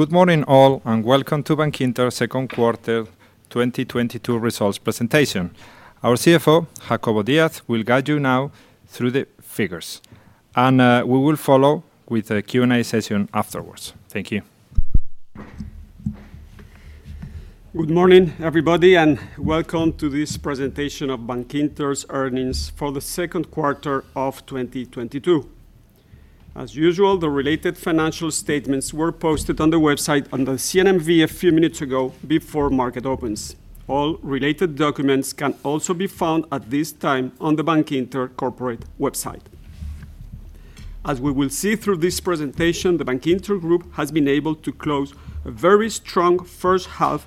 Good morning all, and welcome to Bankinter Q2 2022 results presentation. Our CFO, Jacobo Díaz García, will guide you now through the figures, and we will follow with a Q&A session afterwards. Thank you. Good morning, everybody, and welcome to this presentation of Bankinter's earnings for the Q2 of 2022. As usual, the related financial statements were posted on the CNMV website a few minutes ago before market opens. All related documents can also be found at this time on the Bankinter corporate website. As we will see through this presentation, the Bankinter group has been able to close a very strong first half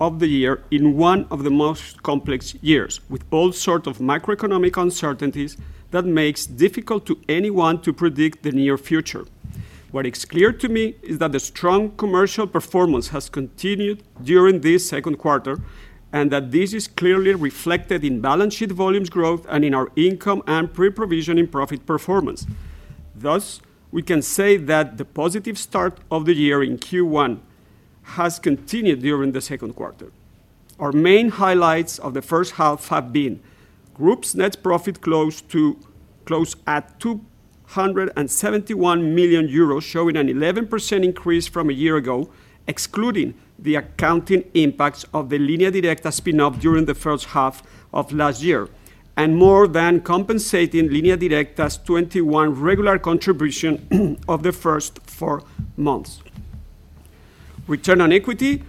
of the year in one of the most complex years, with all sort of macroeconomic uncertainties that makes difficult to anyone to predict the near future. What is clear to me is that the strong commercial performance has continued during this Q2, and that this is clearly reflected in balance sheet volumes growth and in our income and pre-provision profit performance. Thus, we can say that the positive start of the year in Q1 has continued during the Q2. Our main highlights of the first half have been group's net profit close at 271 million euros, showing an 11% increase from a year ago, excluding the accounting impacts of the Línea Directa spin-off during the first half of last year, and more than compensating Línea Directa's 2021 regular contribution of the first four months. Return on equity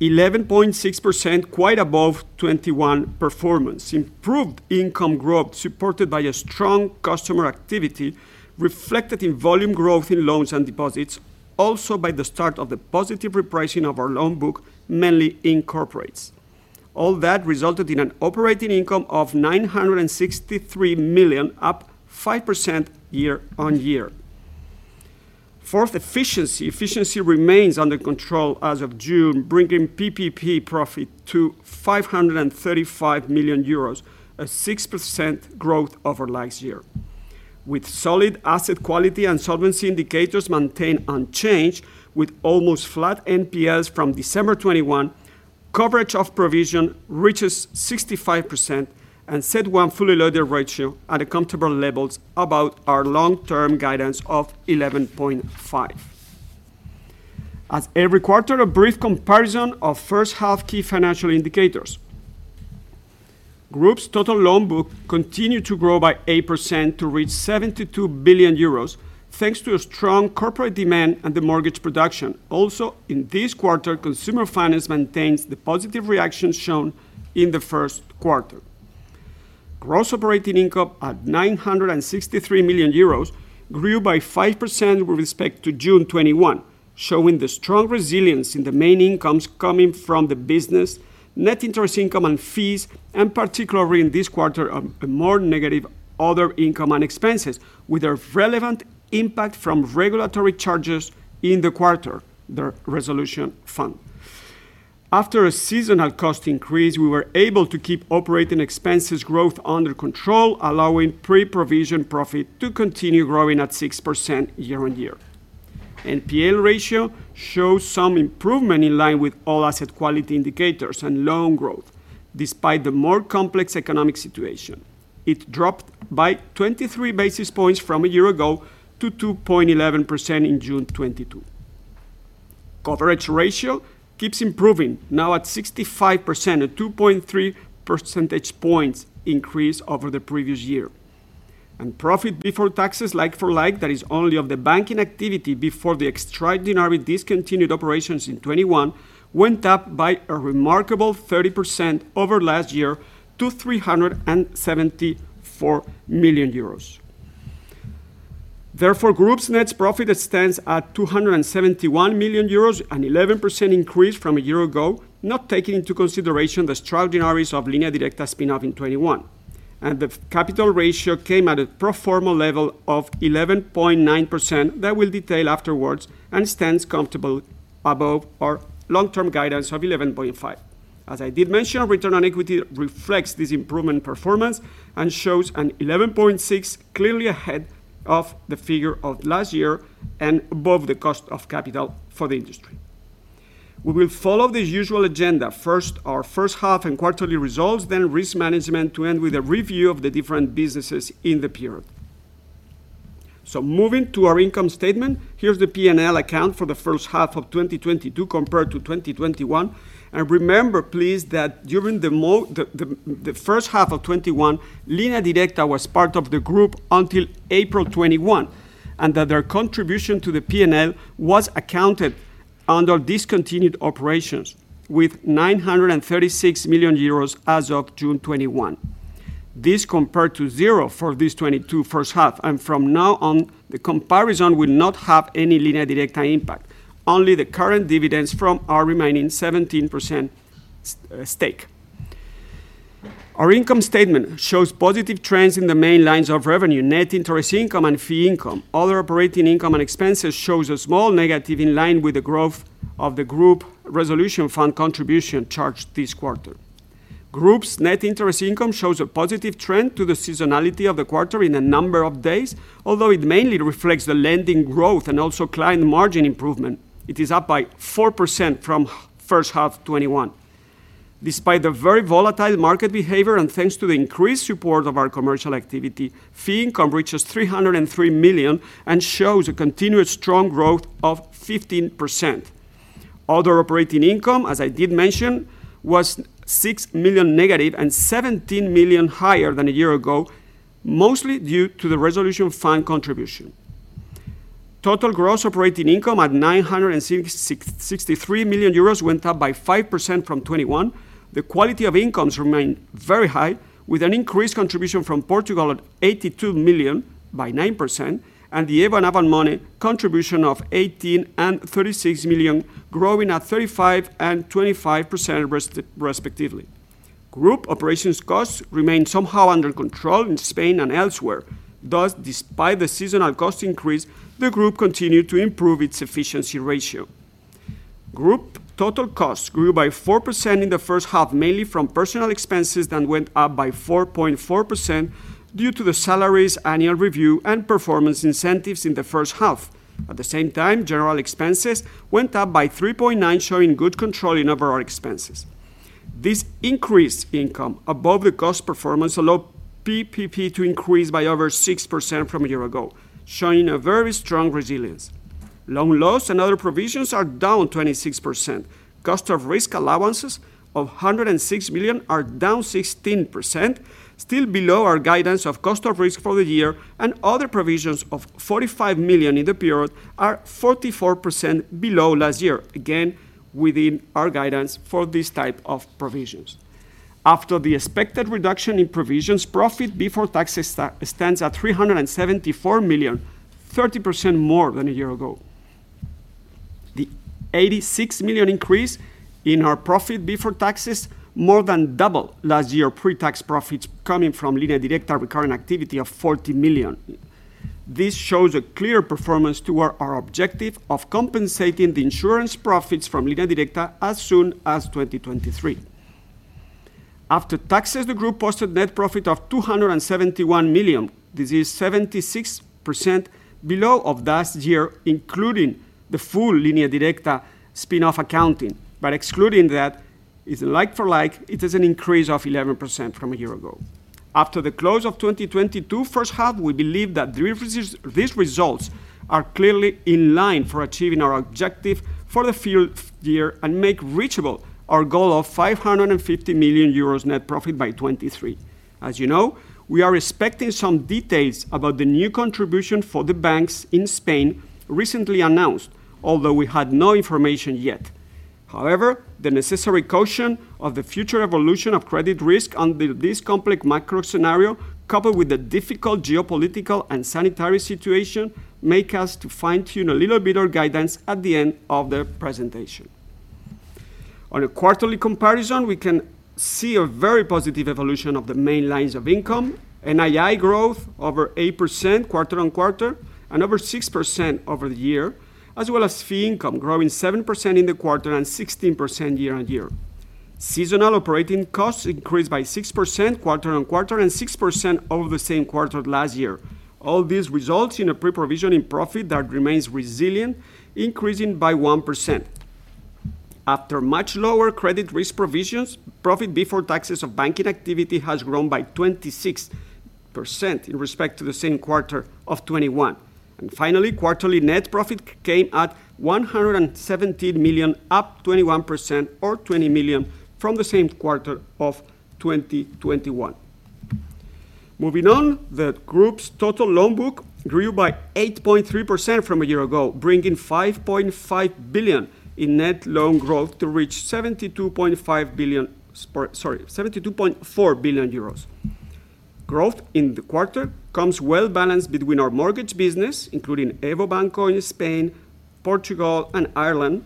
reached 11.6%, quite above 2021 performance. Improved income growth, supported by a strong customer activity reflected in volume growth in loans and deposits, also by the start of the positive repricing of our loan book, mainly in corporates. All that resulted in an operating income of 963 million, up 5% year-on-year. Fourth, efficiency. Efficiency remains under control as of June, bringing PPP profit to 535 million euros, a 6% growth over last year. With solid asset quality and solvency indicators maintained unchanged, with almost flat NPLs from December 2021, coverage of provision reaches 65% and CET1 fully loaded ratio at comfortable levels, above our long-term guidance of 11.5. Every quarter, a brief comparison of first half key financial indicators. Group's total loan book continued to grow by 8% to reach 72 billion euros thanks to a strong corporate demand and the mortgage production. Also, in this quarter, consumer finance maintains the positive reaction shown in the Q1. Gross operating income at 963 million euros grew by 5% with respect to June 2021, showing the strong resilience in the main incomes coming from the business, net interest income and fees, and particularly in this quarter, a more negative other income and expenses with a relevant impact from regulatory charges in the quarter, the Resolution Fund. After a seasonal cost increase, we were able to keep operating expenses growth under control, allowing pre-provision profit to continue growing at 6% year-on-year. NPL ratio shows some improvement in line with all asset quality indicators and loan growth, despite the more complex economic situation. It dropped by 23 basis points from a year ago to 2.11% in June 2022. Coverage ratio keeps improving, now at 65%, a 2.3 percentage points increase over the previous year. Profit before taxes, like for like, that is only of the banking activity before the extraordinary discontinued operations in 2021, went up by a remarkable 30% over last year to 374 million euros. Therefore, Group's net profit stands at 271 million euros, an 11% increase from a year ago, not taking into consideration the extraordinaries of Línea Directa spin-off in 2021. The capital ratio came at a pro forma level of 11.9%, that we'll detail afterwards, and stands comfortable above our long-term guidance of 11.5%. As I did mention, return on equity reflects this improvement performance and shows an 11.6%, clearly ahead of the figure of last year and above the cost of capital for the industry. We will follow the usual agenda. First, our H1 and quarterly results, then risk management, to end with a review of the different businesses in the period. Moving to our income statement, here's the P&L account for the H1 of 2022 compared to 2021. Remember please, that during the H1 of 2021, Línea Directa was part of the group until April 2021, and that their contribution to the P&L was accounted under discontinued operations with 936 million euros as of June 2021. This compared to zero for this 2022 H1, and from now on, the comparison will not have any Línea Directa impact, only the current dividends from our remaining 17% stake. Our income statement shows positive trends in the main lines of revenue, net interest income and fee income. Other operating income and expenses shows a small negative in line with the growth of the Single Resolution Fund contribution charged this quarter. Group's net interest income shows a positive trend to the seasonality of the quarter in a number of days, although it mainly reflects the lending growth and also client margin improvement. It is up by 4% from first half 2021. Despite the very volatile market behavior, and thanks to the increased support of our commercial activity, fee income reaches 303 million, and shows a continuous strong growth of 15%. Other operating income, as I did mention, was negative 6 million, and 17 million higher than a year ago, mostly due to the Single Resolution Fund contribution. Total gross operating income at 966.3 million euros went up by 5% from 2021. The quality of incomes remained very high, with an increased contribution from Portugal at 82 million by 9%, and the EVO and Avant Money contribution of 18 million and 36 million, growing at 35% and 25% respectively. Group operations costs remained somehow under control in Spain and elsewhere. Thus, despite the seasonal cost increase, the group continued to improve its efficiency ratio. Group total costs grew by 4% in the first half, mainly from personal expenses that went up by 4.4% due to the salaries, annual review, and performance incentives in the H1. At the same time, general expenses went up by 3.9%, showing good control in overall expenses. This increased income above the cost performance allowed PPP to increase by over 6% from a year ago, showing a very strong resilience. Loan loss and other provisions are down 26%. Cost of risk allowances of 106 million are down 16%, still below our guidance of cost of risk for the year, and other provisions of 45 million in the period are 44% below last year. Again, within our guidance for these type of provisions. After the expected reduction in provisions, profit before taxes stands at 374 million, 30% more than a year ago. The 86 million increase in our profit before taxes more than double last year pre-tax profits coming from Línea Directa recurring activity of 40 million. This shows a clear performance toward our objective of compensating the insurance profits from Línea Directa as soon as 2023. After taxes, the group posted net profit of 271 million. This is 76% below of last year, including the full Línea Directa spin-off accounting. Excluding that is like for like, it is an increase of 11% from a year ago. After the close of 2022 H1, we believe that the references, these results are clearly in line for achieving our objective for the full year and make reachable our goal of 550 million euros net profit by 2023. As you know, we are expecting some details about the new contribution for the banks in Spain recently announced, although we had no information yet. However, the necessary caution of the future evolution of credit risk under this complex macro scenario, coupled with the difficult geopolitical and sanitary situation, make us to fine-tune a little bit our guidance at the end of the presentation. On a quarterly comparison, we can see a very positive evolution of the main lines of income. NII growth over 8% quarter-on-quarter, and over 6% over the year, as well as fee income growing 7% in the quarter and 16% year-on-year. Seasonal operating costs increased by 6% quarter-on-quarter, and 6% over the same quarter last year. All this results in a pre-provision profit that remains resilient, increasing by 1%. After much lower credit risk provisions, profit before taxes of banking activity has grown by 26% in respect to the same quarter of 2021. Finally, quarterly net profit came at 117 million, up 21% or 20 million from the same quarter of 2021. The group's total loan book grew by 8.3% from a year ago, bringing 5.5 billion in net loan growth to reach 72.4 billion euros. Growth in the quarter comes well-balanced between our mortgage business, including EVO Banco in Spain, Portugal, and Ireland,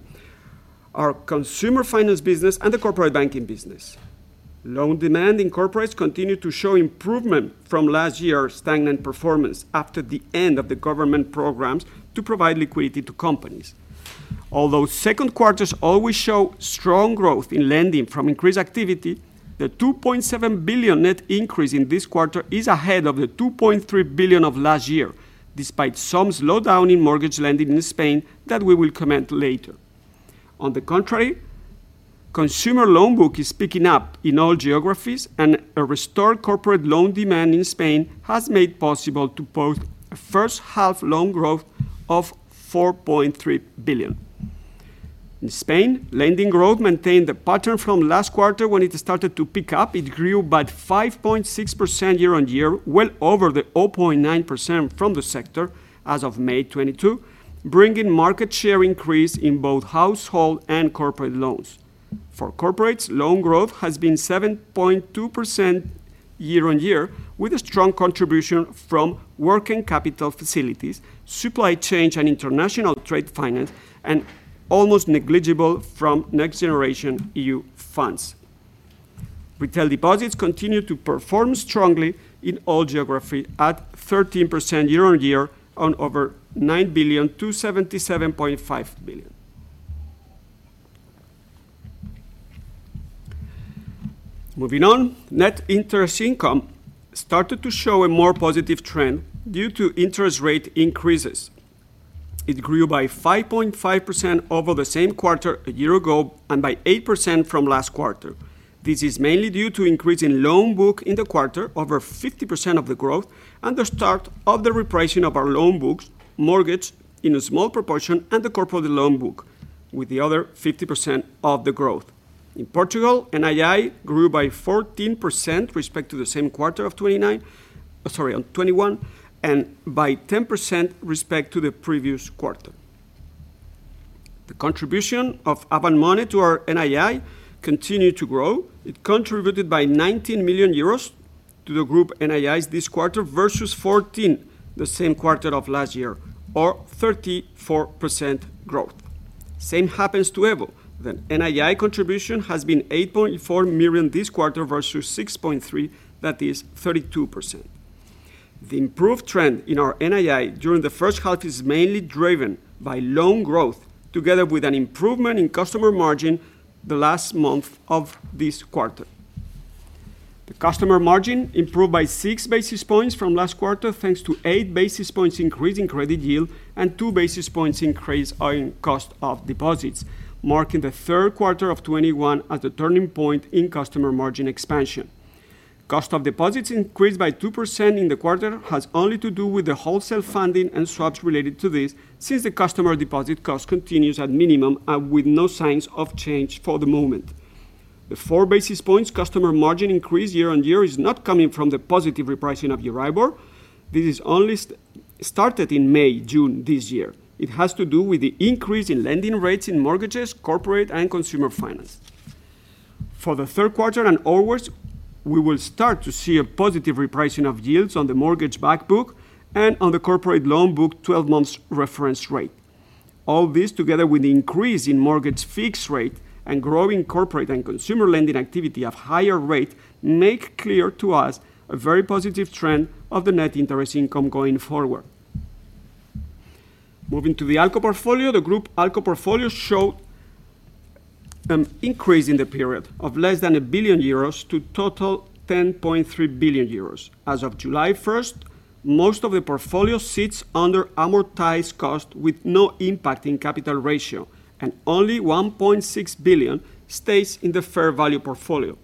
our consumer finance business, and the corporate banking business. Loan demand in corporates continued to show improvement from last year's stagnant performance after the end of the government programs to provide liquidity to companies. Although Q2s always show strong growth in lending from increased activity, the 2.7 billion net increase in this quarter is ahead of the 2.3 billion of last year, despite some slowdown in mortgage lending in Spain that we will comment later. On the contrary, consumer loan book is picking up in all geographies, and a restored corporate loan demand in Spain has made possible to post a first half loan growth of 4.3 billion. In Spain, lending growth maintained the pattern from last quarter when it started to pick up. It grew by 5.6% year-on-year, well over the 0.9% from the sector as of May 2022, bringing market share increase in both household and corporate loans. For corporates, loan growth has been 7.2% year-on-year, with a strong contribution from working capital facilities, supply chain and international trade finance, and almost negligible from NextGenerationEU funds. Retail deposits continue to perform strongly in all geographies at 13% year-on-year on over 9 billion to 77.5 billion. Moving on, net interest income started to show a more positive trend due to interest rate increases. It grew by 5.5% over the same quarter a year ago, and by 8% from last quarter. This is mainly due to increase in loan book in the quarter, over 50% of the growth, and the start of the repricing of our loan books, mortgages in a small proportion, and the corporate loan book with the other 50% of the growth. In Portugal, NII grew by 14% with respect to the same quarter of 2021, and by 10% with respect to the previous quarter. The contribution of Avant Money to our NII continued to grow. It contributed 19 million euros to the group NII this quarter versus 14 million the same quarter of last year, or 34% growth. Same happens to EVO. The NII contribution has been 8.4 million this quarter versus 6.3, that is 32%. The improved trend in our NII during the first half is mainly driven by loan growth together with an improvement in customer margin the last month of this quarter. The customer margin improved by 6 basis points from last quarter, thanks to eight basis points increase in credit yield and two basis points increase on cost of deposits, marking the Q3 of 2021 as the turning point in customer margin expansion. Cost of deposits increased by 2% in the quarter has only to do with the wholesale funding and swaps related to this, since the customer deposit cost continues at minimum, with no signs of change for the moment. The four basis points customer margin increase year-on-year is not coming from the positive repricing of Euribor. This is only started in May, June this year. It has to do with the increase in lending rates in mortgages, corporate and consumer finance. For the Q3 and onwards, we will start to see a positive repricing of yields on the mortgage back book and on the corporate loan book 12-month reference rate. All this together with the increase in mortgage fixed rate and growing corporate and consumer lending activity at higher rate make clear to us a very positive trend of the net interest income going forward. Moving to the ALCO portfolio, the group ALCO portfolio show an increase in the period of less than 1 billion euros to total 10.3 billion euros. As of July 1st, most of the portfolio sits under amortized cost with no impact in capital ratio, and only 1.6 billion stays in the fair value portfolio.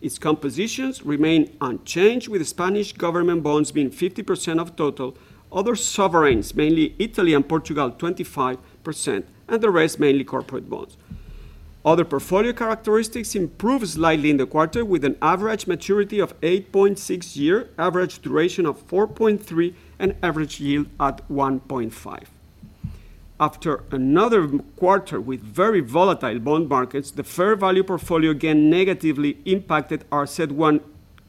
Its compositions remain unchanged, with Spanish government bonds being 50% of total, other sovereigns, mainly Italy and Portugal, 25%, and the rest mainly corporate bonds. Other portfolio characteristics improved slightly in the quarter, with an average maturity of 8.6 year, average duration of 4.3, and average yield at 1.5. After another quarter with very volatile bond markets, the fair value portfolio again negatively impacted our CET1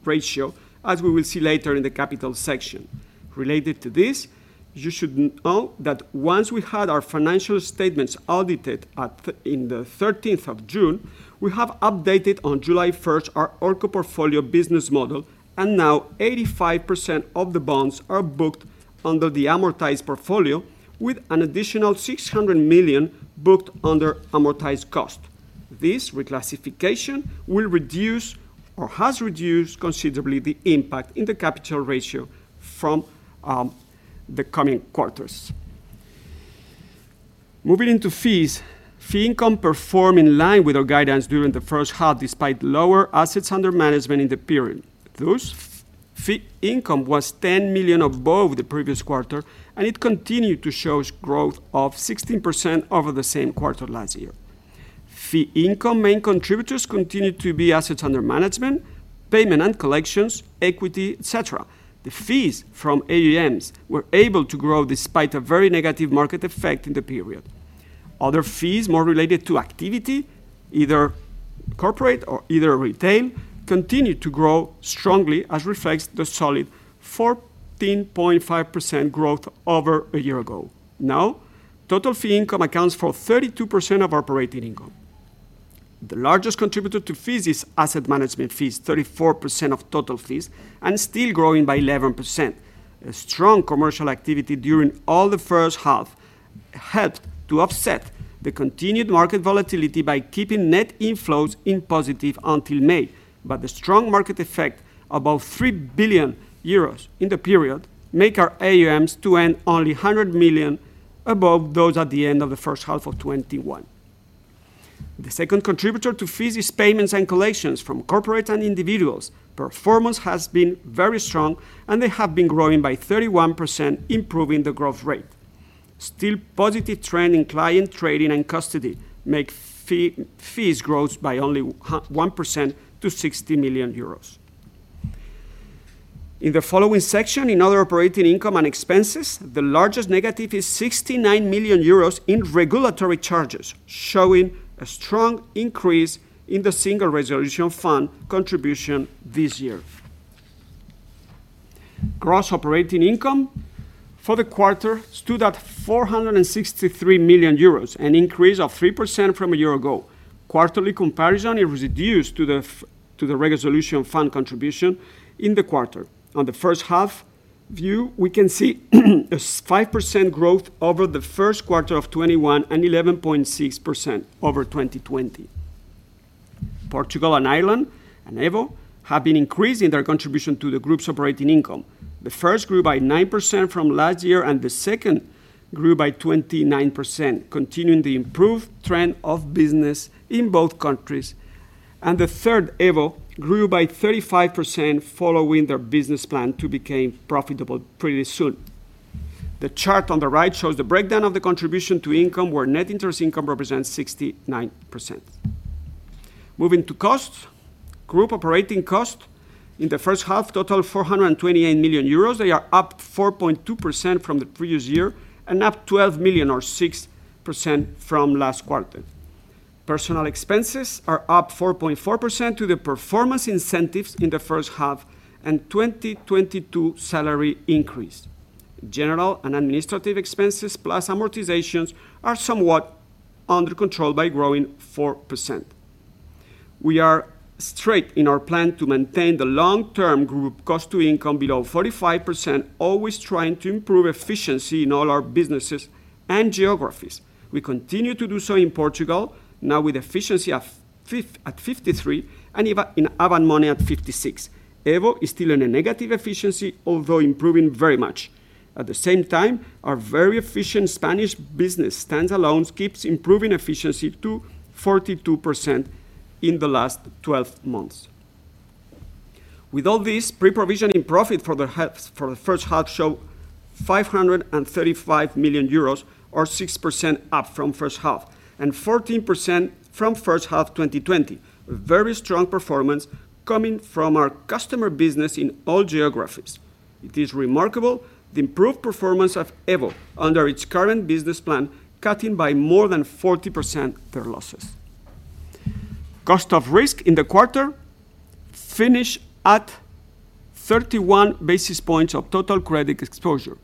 ratio, as we will see later in the capital section. Related to this, you should know that once we had our financial statements audited on the June 13th, we have updated on July 1st, our ALCO portfolio business model, and now 85% of the bonds are booked under the amortized portfolio with an additional 600 million booked under amortized cost. This reclassification will reduce or has reduced considerably the impact in the capital ratio from the coming quarters. Moving into fees, fee income performed in line with our guidance during the first half, despite lower assets under management in the period. Thus, fee income was 10 million above the previous quarter, and it continued to show growth of 16% over the same quarter last year. Fee income main contributors continued to be assets under management, payment and collections, equity, et cetera. The fees from AUMs were able to grow despite a very negative market effect in the period. Other fees more related to activity, either corporate or either retail, continued to grow strongly as reflects the solid 14.5% growth over a year ago. Now, total fee income accounts for 32% of operating income. The largest contributor to fees is asset management fees, 34% of total fees, and still growing by 11%. A strong commercial activity during all the first half helped to offset the continued market volatility by keeping net inflows in positive until May. The strong market effect, above 3 billion euros in the period, make our AUMs to end only 100 million above those at the end of the H1 of 2021. The second contributor to fees is payments and collections from corporate and individuals. Performance has been very strong, and they have been growing by 31%, improving the growth rate. Still positive trend in client trading and custody make fees grows by only 1% to 60 million euros. In the following section, in other operating income and expenses, the largest negative is 69 million euros in regulatory charges, showing a strong increase in the Single Resolution Fund contribution this year. Gross operating income for the quarter stood at 463 million euros, an increase of 3% from a year ago. Quarterly comparison, it was reduced due to the resolution fund contribution in the quarter. On the H1 view, we can see a 5% growth over the Q1 of 2021, and 11.6% over 2020. Portugal and Ireland, and EVO, have been increasing their contribution to the group's operating income. The first grew by 9% from last year, and the second grew by 29%, continuing the improved trend of business in both countries. The third, EVO, grew by 35% following their business plan to become profitable pretty soon. The chart on the right shows the breakdown of the contribution to income, where net interest income represents 69%. Moving to costs. Group operating cost in the H1 total 428 million euros. They are up 4.2% from the previous year, and up 12 million, or 6%, from last quarter. Personnel expenses are up 4.4% due to performance incentives in the H1, and 2022 salary increase. General and administrative expenses, plus amortizations, are somewhat under control by growing 4%. We are straight in our plan to maintain the long-term group cost to income below 45%, always trying to improve efficiency in all our businesses and geographies. We continue to do so in Portugal, now with efficiency of 53%, and in Avant Money at 56%. EVO is still in a negative efficiency, although improving very much. At the same time, our very efficient Spanish business standalones keeps improving efficiency to 42% in the last 12 months. With all this, pre-provision profit for the H1 show 535 million euros, or 6% up from H1, and 14% from H1 2020. A very strong performance coming from our customer business in all geographies. It is remarkable the improved performance of EVO under its current business plan, cutting by more than 40% their losses. Cost of risk in the quarter finished at 31 basis points of total credit exposure,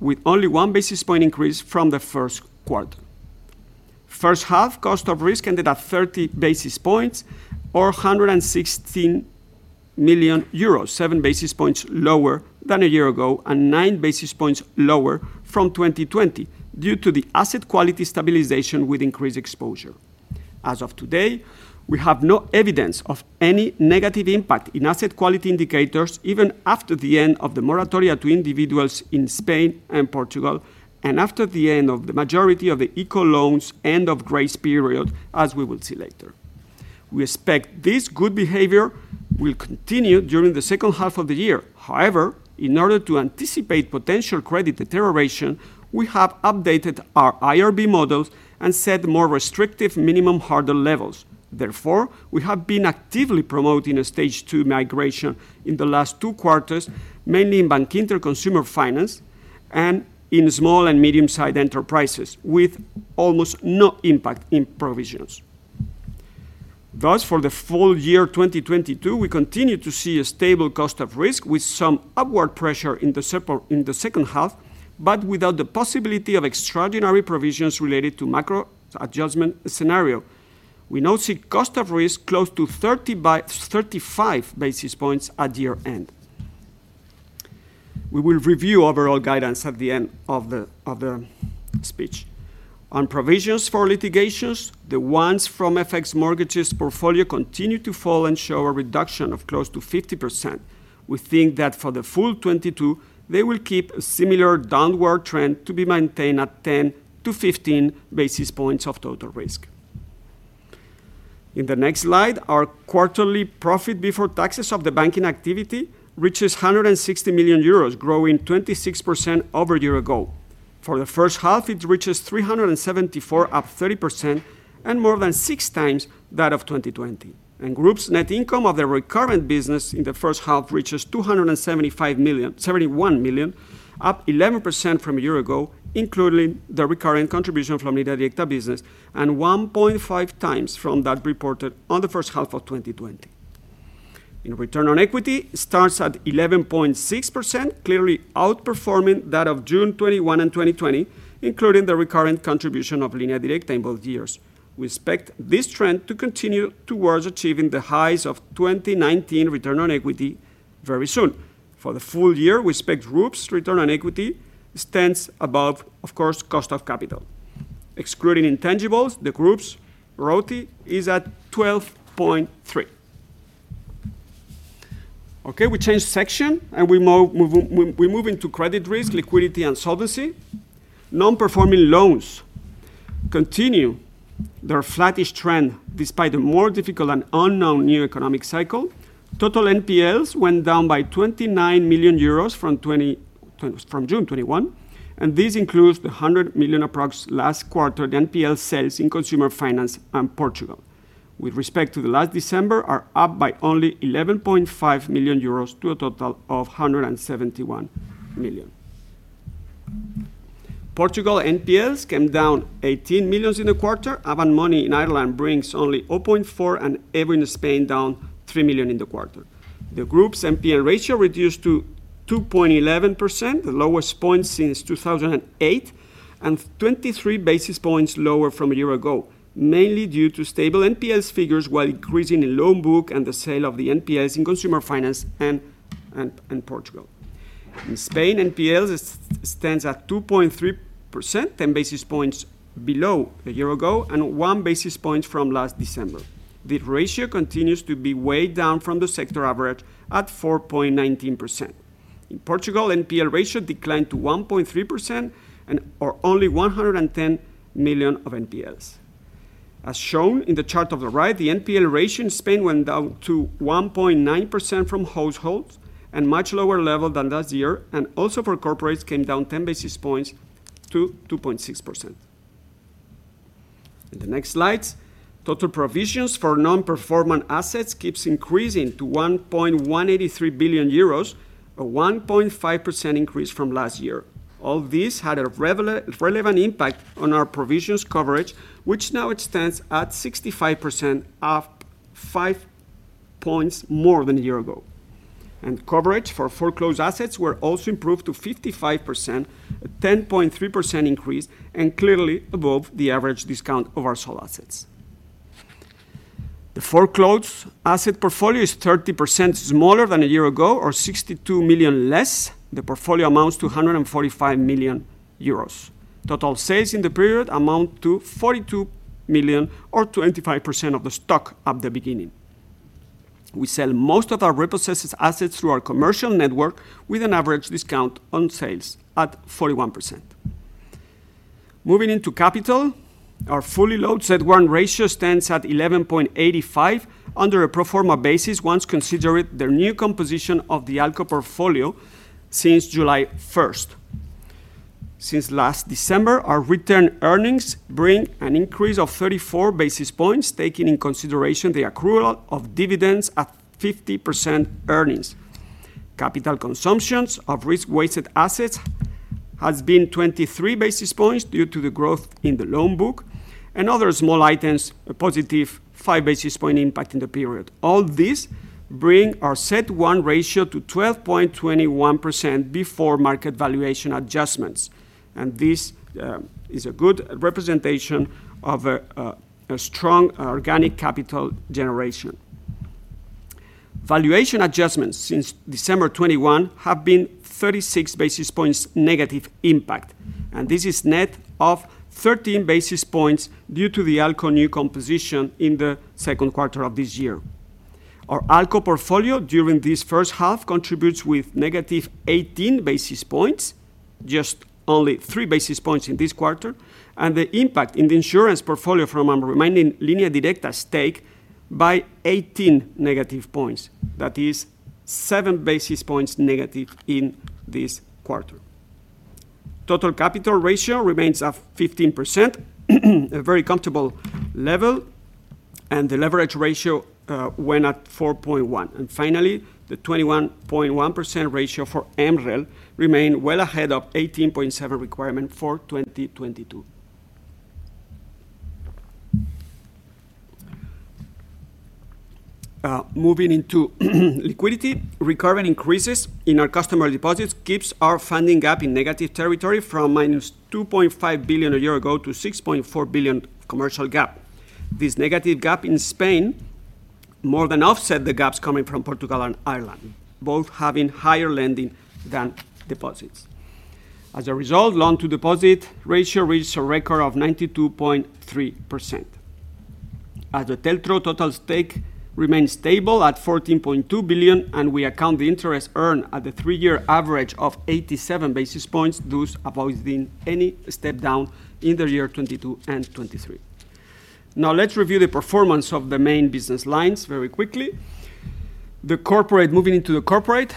with only one basis point increase from the Q1. H1, cost of risk ended at 30 basis points, or 116 million euros. Seven basis points lower than a year ago, and nine basis points lower from 2020 due to the asset quality stabilization with increased exposure. As of today, we have no evidence of any negative impact in asset quality indicators, even after the end of the moratoria to individuals in Spain and Portugal, and after the end of the majority of the ICO loans end of grace period, as we will see later. We expect this good behavior will continue during the H2 of the year. However, in order to anticipate potential credit deterioration, we have updated our IRB models and set more restrictive minimum harder levels. Therefore, we have been actively promoting a Stage 2 migration in the last two quarters, mainly in Bankinter Consumer Finance and in small and medium-sized enterprises, with almost no impact in provisions. Thus, for the full year 2022, we continue to see a stable cost of risk with some upward pressure in the second half, but without the possibility of extraordinary provisions related to macro adjustment scenario. We now see cost of risk close to 30-35 basis points at year-end. We will review overall guidance at the end of the speech. On provisions for litigations, the ones from FX mortgages portfolio continue to fall and show a reduction of close to 50%. We think that for the full 2022, they will keep a similar downward trend to be maintained at 10-15 basis points of total risk. In the next slide, our quarterly profit before taxes of the banking activity reaches 160 million euros, growing 26% over a year ago. For the H1, it reaches 374 million, up 30%, and more than 6x that of 2020. Group's net income of the recurrent business in the H1 reaches 275 million, 71 million, up 11% from a year ago, including the recurring contribution from Línea Directa business, and 1.5x from that reported on the H1 of 2020. In return on equity, it starts at 11.6%, clearly outperforming that of June 2021 and 2020, including the recurrent contribution of Línea Directa in both years. We expect this trend to continue towards achieving the highs of 2019 return on equity very soon. For the full year, we expect group's return on equity stands above, of course, cost of capital. Excluding intangibles, the group's ROTE is at 12.3%. We change section, we move into credit risk, liquidity, and solvency. Non-performing loans continue their flattish trend, despite a more difficult and unknown new economic cycle. Total NPLs went down by 29 million euros from June 2021, and this includes the approximately 100 million last quarter NPL sales in consumer finance and Portugal. With respect to last December, are up by only 11.5 million euros to a total of 171 million. Portugal NPLs came down 18 million in the quarter. Avant Money in Ireland brings only 0.4, and EVO in Spain down 3 million in the quarter. The group's NPL ratio reduced to 2.11%, the lowest point since 2008, and 23 basis points lower from a year ago, mainly due to stable NPLs figures while increasing the loan book and the sale of the NPLs in consumer finance and Portugal. In Spain, NPLs stands at 2.3%, 10 basis points below a year ago, and one basis point from last December. The ratio continues to be way down from the sector average at 4.19%. In Portugal, NPL ratio declined to 1.3% or only 110 million of NPLs. As shown in the chart on the right, the NPL ratio in Spain went down to 1.9% from households, and much lower level than last year, and also for corporates came down 10 basis points to 2.6%. In the next slides, total provisions for non-performing assets keeps increasing to 1.183 billion euros, a 1.5% increase from last year. All this had a relevant impact on our provisions coverage, which now it stands at 65%, up five points more than a year ago. Coverage for foreclosed assets were also improved to 55%, a 10.3% increase, and clearly above the average discount of our sold assets. The foreclosed asset portfolio is 30% smaller than a year ago, or 62 million less. The portfolio amounts to 145 million euros. Total sales in the period amount to 42 million, or 25% of the stock at the beginning. We sell most of our repossessed assets through our commercial network with an average discount on sales at 41%. Moving into capital, our fully loaded CET1 ratio stands at 11.85% under a pro forma basis once considering the new composition of the ALCO portfolio since July 1st. Since last December, our retained earnings bring an increase of 34 basis points, taking into consideration the accrual of dividends at 50% earnings. Capital consumption of risk-weighted assets has been 23 basis points due to the growth in the loan book, and other small items, a positive five basis point impact in the period. All this brings our CET1 ratio to 12.21% before market valuation adjustments. This is a good representation of a strong organic capital generation. Valuation adjustments since December 2021 have been 36 basis points negative impact, and this is net of 13 basis points due to the ALCO new composition in the Q2 of this year. Our ALCO portfolio during this H1 contributes with negative 18 basis points, just only three basis points in this quarter, and the impact in the insurance portfolio from our remaining Línea Directa stake by 18 negative points. That is seven basis points negative in this quarter. Total capital ratio remains at 15%, a very comfortable level, and the leverage ratio went at 4.1. Finally, the 21.1% ratio for MREL remained well ahead of 18.7% requirement for 2022. Moving into liquidity, recovery increases in our customer deposits keeps our funding gap in negative territory from -2.5 billion a year ago to 6.4 billion commercial gap. This negative gap in Spain more than offset the gaps coming from Portugal and Ireland, both having higher lending than deposits. As a result, loan-to-deposit ratio reached a record of 92.3%. As the Telco total stake remains stable at 14.2 billion, and we account the interest earned at the three-year average of 87 basis points, thus avoiding any step-down in the year 2022 and 2023. Now let's review the performance of the main business lines very quickly. Moving into the corporate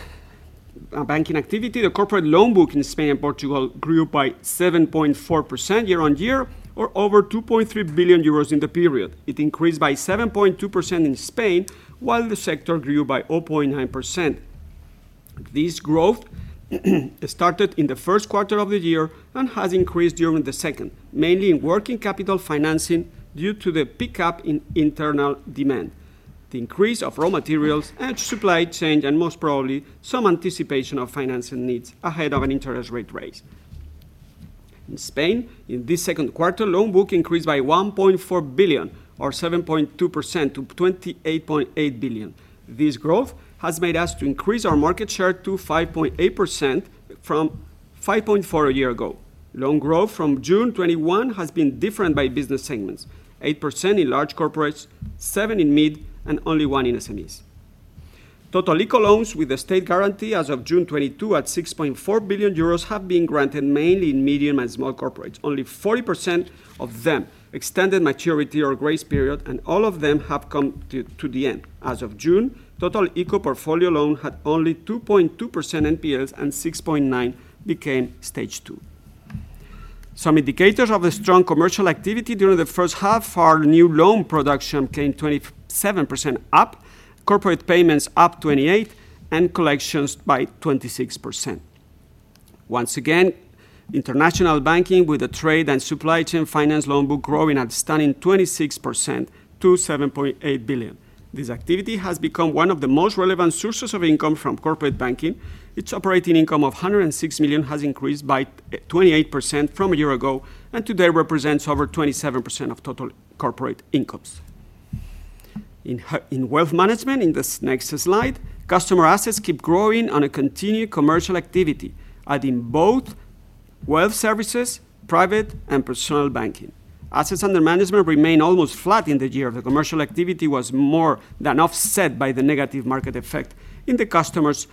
banking activity, the corporate loan book in Spain and Portugal grew by 7.4% year-on-year or over 2.3 billion euros in the period. It increased by 7.2% in Spain, while the sector grew by 0.9%. This growth started in the Q1 of the year and has increased during the second, mainly in working capital financing due to the pickup in internal demand. The increase of raw materials and supply chain, and most probably some anticipation of financing needs ahead of an interest rate raise. In Spain, in this Q2, loan book increased by 1.4 billion or 7.2% to 28.8 billion. This growth has made us to increase our market share to 5.8% from 5.4% a year ago. Loan growth from June 2021 has been different by business segments. 8% in large corporates, 7% in mid, and only 1% in SMEs. Total ICO loans with the state guarantee as of June 2022 at 6.4 billion euros have been granted mainly in medium and small corporates. Only 40% of them extended maturity or grace period, and all of them have come to the end. As of June, total ICO portfolio loan had only 2.2% NPLs and 6.9% became Stage 2. Some indicators of a strong commercial activity during the first half, our new loan production climbed 27%, corporate payments up 28%, and collections by 26%. Once again, international banking with the trade and supply chain finance loan book growing at a stunning 26% to 7.8 billion. This activity has become one of the most relevant sources of income from corporate banking. Its operating income of 106 million has increased by 28% from a year ago, and today represents over 27% of total corporate incomes. In wealth management, in this next slide, customer assets keep growing on a continued commercial activity, adding both wealth services, private and personal banking. Assets under management remain almost flat in the year. The commercial activity was more than offset by the negative market effect in the customers,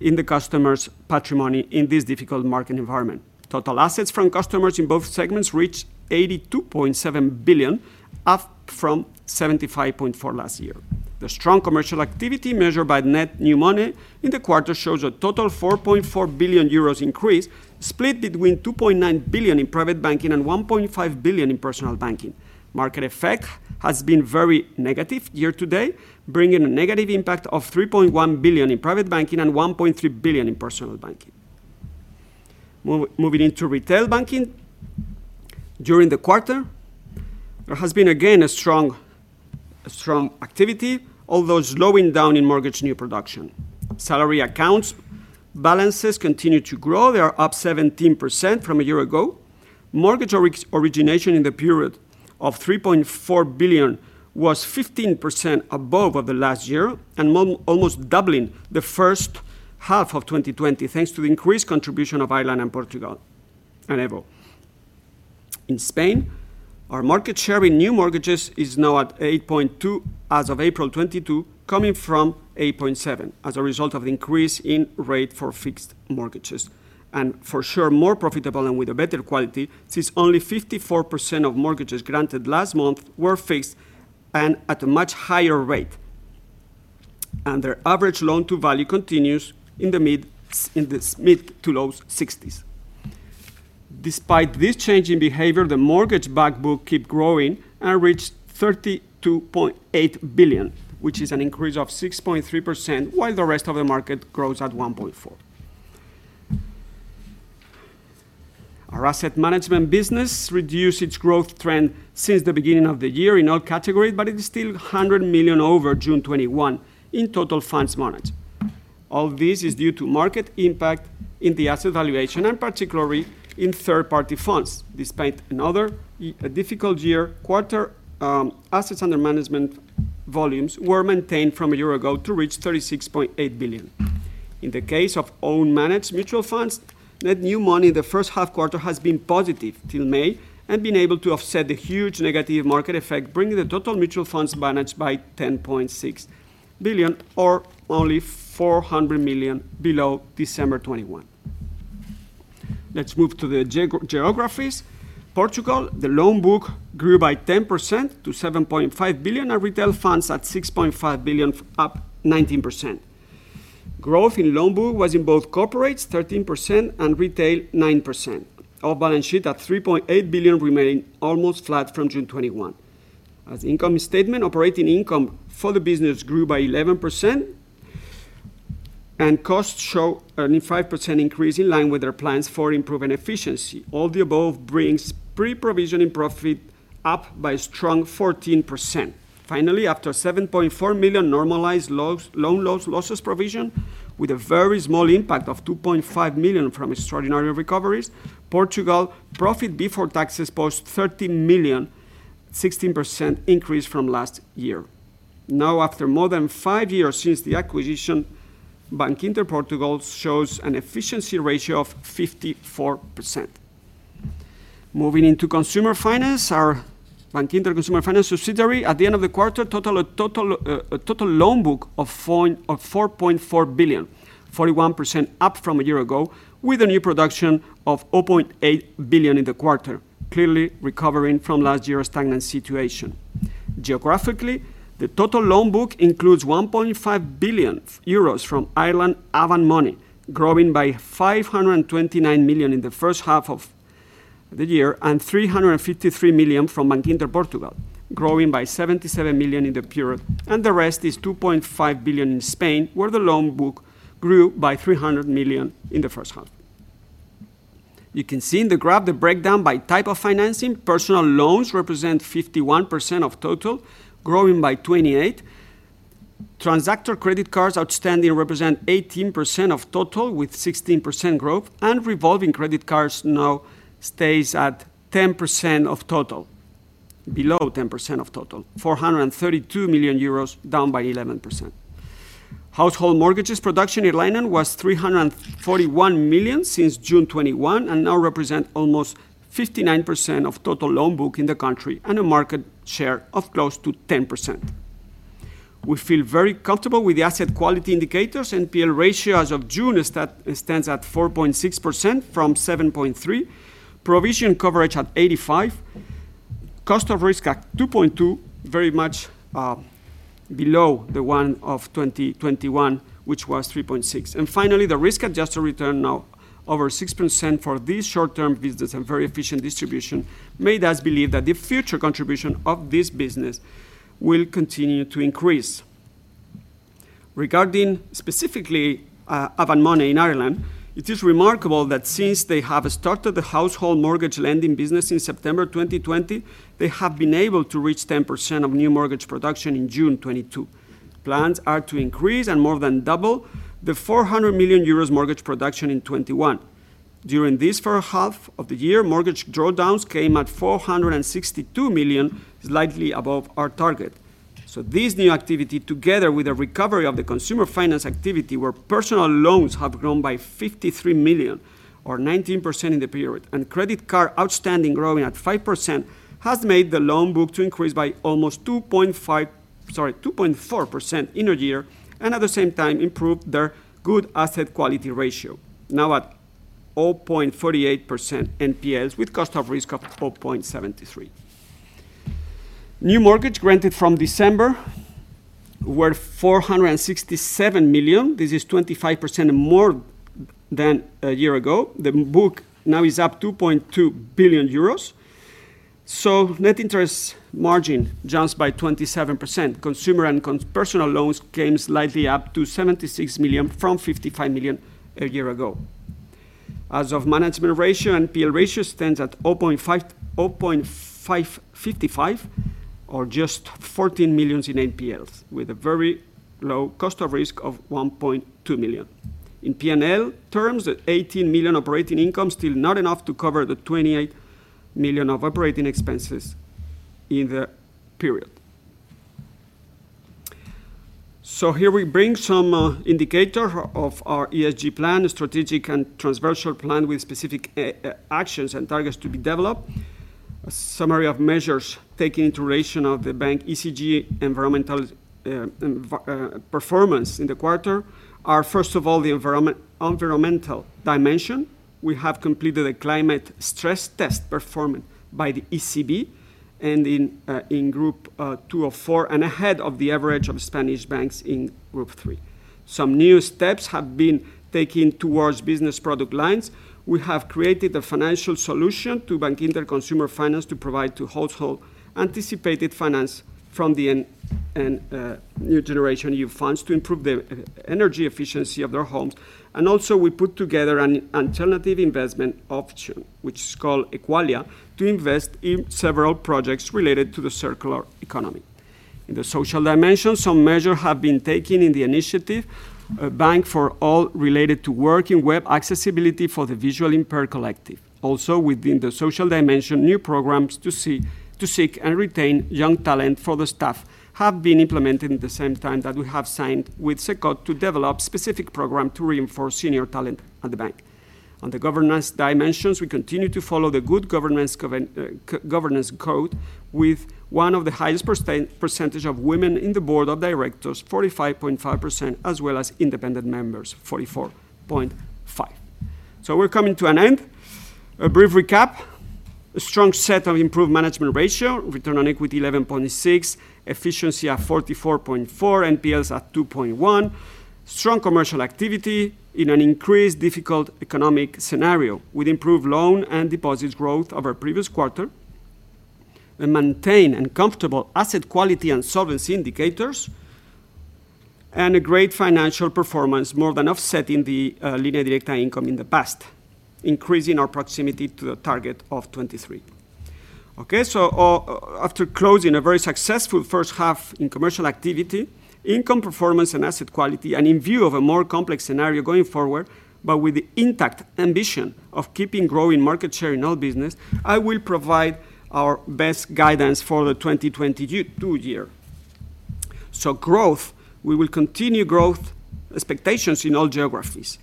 in the customers' patrimony in this difficult market environment. Total assets from customers in both segments reached 82.7 billion, up from 75.4 billion last year. The strong commercial activity measured by net new money in the quarter shows a total 4.4 billion euros increase, split between 2.9 billion in private banking and 1.5 billion in personal banking. Market effect has been very negative year to date, bringing a negative impact of 3.1 billion in private banking and 1.5 billion in personal banking. Moving into retail banking, during the quarter, there has been again a strong activity, although slowing down in mortgage new production. Salary accounts balances continue to grow. They are up 17% from a year ago. Mortgage origination in the period of 3.4 billion was 15% above the last year and almost doubling the H1 of 2020, thanks to the increased contribution of Ireland and Portugal and EVO. In Spain, our market share in new mortgages is now at 8.2% as of April 2022, coming from 8.7% as a result of the increase in rate for fixed mortgages. For sure, more profitable and with a better quality, since only 54% of mortgages granted last month were fixed and at a much higher rate. Their average loan to value continues in the mid to low 60s. Despite this change in behavior, the mortgage back book keep growing and reached 32.8 billion, which is an increase of 6.3%, while the rest of the market grows at 1.4%. Our asset management business reduced its growth trend since the beginning of the year in all categories, but it is still 100 million over June 2021 in total funds managed. All this is due to market impact in the asset valuation and particularly in third-party funds. Despite another difficult year, quarter, assets under management volumes were maintained from a year ago to reach 36.8 billion. In the case of own managed mutual funds, net new money in the H1 quarter has been positive till May and been able to offset the huge negative market effect, bringing the total mutual funds managed to 10.6 billion or only 400 million below December 2021. Let's move to the geographies. Portugal, the loan book grew by 10% to 7.5 billion, and retail funds at 6.5 billion, up 19%. Growth in loan book was in both corporates, 13%, and retail, 9%. Our balance sheet at 3.8 billion remain almost flat from June 2021. On the income statement, operating income for the business grew by 11%, and costs show a 5% increase in line with our plans for improving efficiency. All the above brings pre-provision profit up by a strong 14%. Finally, after 7.4 million normalized loan loss provisions with a very small impact of 2.5 million from extraordinary recoveries, Portugal profit before taxes posted 13 million, 16% increase from last year. Now, after more than five years since the acquisition, Bankinter Portugal shows an efficiency ratio of 54%. Moving into consumer finance, our Bankinter Consumer Finance subsidiary at the end of the quarter total loan book of 4.4 billion, 41% up from a year ago, with a new production of 0.8 billion in the quarter, clearly recovering from last year's stagnant situation. Geographically, the total loan book includes 1.5 billion euros from Ireland, Avant Money, growing by 529 million in the H1 of the year, and 353 million from Bankinter Portugal, growing by 77 million in the period, and the rest is 2.5 billion in Spain, where the loan book grew by 300 million in the H1. You can see in the graph the breakdown by type of financing. Personal loans represent 51% of total, growing by 28. Transactor credit cards outstanding represent 18% of total, with 16% growth. Revolving credit cards now stays at 10% of total. Below 10% of total. 432 million euros, down by 11%. Household mortgages production in Ireland was 341 million since June 2021, and now represent almost 59% of total loan book in the country and a market share of close to 10%. We feel very comfortable with the asset quality indicators. NPL ratio as of June stands at 4.6% from 7.3. Provision coverage at 85. Cost of risk at 2.2, very much, below the one of 2021, which was 3.6. Finally, the risk-adjusted return now over 6% for this short-term business and very efficient distribution made us believe that the future contribution of this business will continue to increase. Regarding specifically, Avant Money in Ireland, it is remarkable that since they have started the household mortgage lending business in September 2020, they have been able to reach 10% of new mortgage production in June 2022. Plans are to increase and more than double the 400 million euros mortgage production in 2021. During this H1 of the year, mortgage drawdowns came at 462 million, slightly above our target. This new activity, together with the recovery of the consumer finance activity, where personal loans have grown by 53 million or 19% in the period, and credit card outstanding growing at 5%, has made the loan book to increase by 2.4% in a year, and at the same time improve their good asset quality ratio. Now at 0.48% NPLs with cost of risk of 4.73. New mortgage granted from December were 467 million. This is 25% more than a year ago. The book now is up 2.2 billion euros. Net interest margin jumps by 27%. Consumer and personal loans came slightly up to 76 million from 55 million a year ago. As of management ratio, NPL ratio stands at 0.5, 0.555 or just 14 million in NPLs, with a very low cost of risk of 1.2 million. In P&L terms, 18 million operating income, still not enough to cover the 28 million of operating expenses in the period. Here we bring some indicator of our ESG plan, a strategic and transversal plan with specific actions and targets to be developed. A summary of measures taking into consideration of the bank's ESG environmental performance in the quarter are, first of all, the environmental dimension. We have completed a climate stress test performed by the ECB and in Group two of four and ahead of the average of Spanish banks in Group three. Some new steps have been taken towards business product lines. We have created a financial solution for Bankinter Consumer Finance to provide households anticipated financing from the NextGenerationEU funds to improve the energy efficiency of their homes. We put together an alternative investment option, which is called Ecualia, to invest in several projects related to the circular economy. In the social dimension, some measures have been taken in the initiative, A Bank for All, related to work and web accessibility for the visually impaired collective. Within the social dimension, new programs to seek and retain young talent for the staff have been implemented at the same time that we have signed with SECOT to develop specific program to reinforce senior talent at the bank. On the governance dimensions, we continue to follow the good governance code with one of the highest percentage of women in the board of directors, 45.5%, as well as independent members, 44.5%. We're coming to an end. A brief recap. A strong set of improved management ratio, return on equity 11.6, efficiency at 44.4, NPLs at 2.1. Strong commercial activity in an increasingly difficult economic scenario with improved loans and deposits growth over previous quarter. We maintain a comfortable asset quality and solvency indicators and a great financial performance, more than offsetting the Línea Directa income in the past, increasing our proximity to the target of 23. Okay, after closing a very successful first half in commercial activity, income performance and asset quality, and in view of a more complex scenario going forward, but with the intact ambition of keeping growing market share in all business, I will provide our best guidance for the 2022 year. Growth, we will continue growth expectations in all geographies.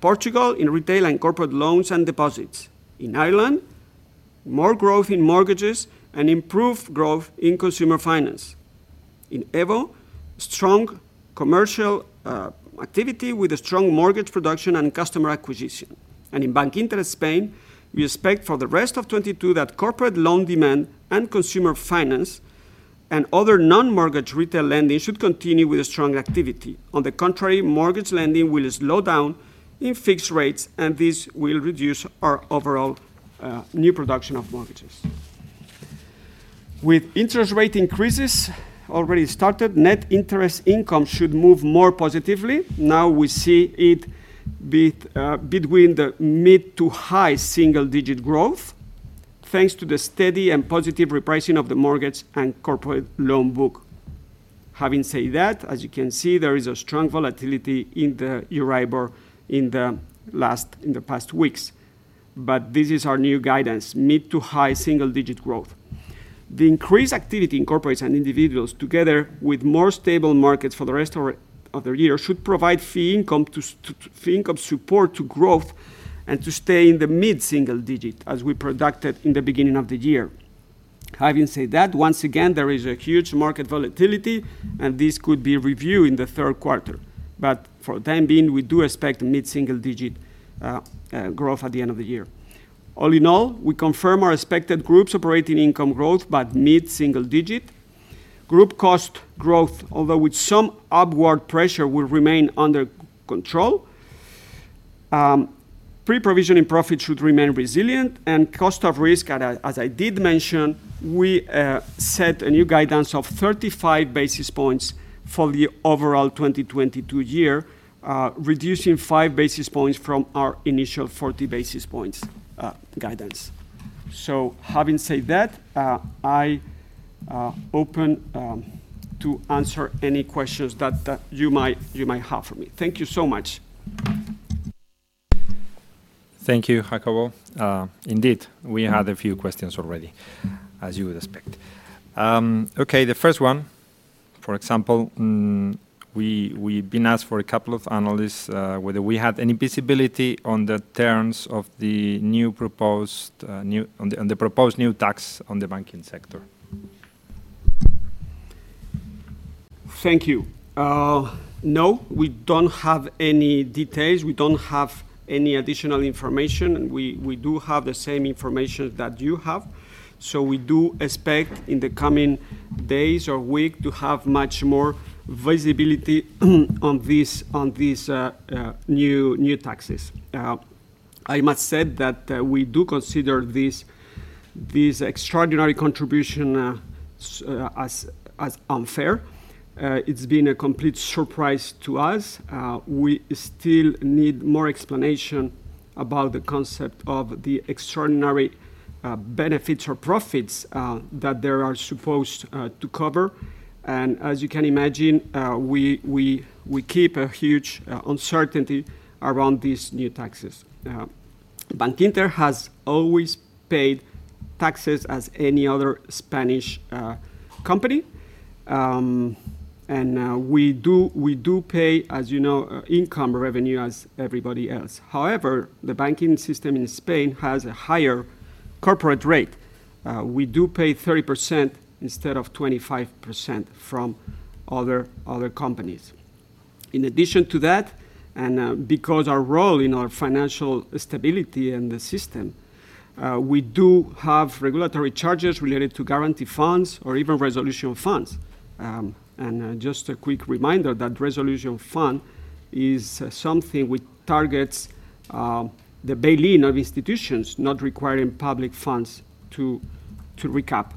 Portugal in retail and corporate loans and deposits. In Ireland, more growth in mortgages and improved growth in consumer finance. In EVO, strong commercial activity with a strong mortgage production and customer acquisition. In Bankinter Spain, we expect for the rest of 2022 that corporate loan demand and consumer finance and other non-mortgage retail lending should continue with a strong activity. On the contrary, mortgage lending will slow down in fixed rates, and this will reduce our overall new production of mortgages. With interest rate increases already started, net interest income should move more positively. Now we see it between the mid to high single-digit growth, thanks to the steady and positive repricing of the mortgage and corporate loan book. Having said that, as you can see, there is a strong volatility in the Euribor in the past weeks. This is our new guidance, mid- to high single-digit growth. The increased activity in corporates and individuals, together with more stable markets for the rest of the year, should provide support to fee income growth and to stay in the mid single-digit as we predicted in the beginning of the year. Having said that, once again, there is a huge market volatility, and this could be reviewed in the Q3. For the time being, we do expect mid-single-digit growth at the end of the year. All in all, we confirm our expected group's operating income growth by mid-single-digit. Group's cost growth, although with some upward pressure, will remain under control. Pre-provision profit should remain resilient, and cost of risk, as I did mention, we set a new guidance of 35 basis points for the overall 2022 year, reducing five basis points from our initial 40 basis points guidance. Having said that, I'm open to answer any questions that you might have for me. Thank you so much. Thank you, Jacobo. Indeed, we have a few questions already, as you would expect. Okay, the first one, for example, we've been asked by a couple of analysts whether we have any visibility on the terms of the proposed new tax on the banking sector. Thank you. No, we don't have any details. We don't have any additional information. We do have the same information that you have. We do expect in the coming days or week to have much more visibility on these new taxes. I must say that we do consider this extraordinary contribution as unfair. It's been a complete surprise to us. We still need more explanation about the concept of the extraordinary benefits or profits that they are supposed to cover. As you can imagine, we keep a huge uncertainty around these new taxes. Bankinter has always paid taxes as any other Spanish company. We do pay, as you know, income revenue as everybody else. However, the banking system in Spain has a higher corporate rate. We do pay 30% instead of 25% from other companies. In addition to that, because our role in our financial stability in the system, we do have regulatory charges related to guarantee funds or even resolution funds. Just a quick reminder that resolution fund is something which targets the bail-in of institutions not requiring public funds to recap.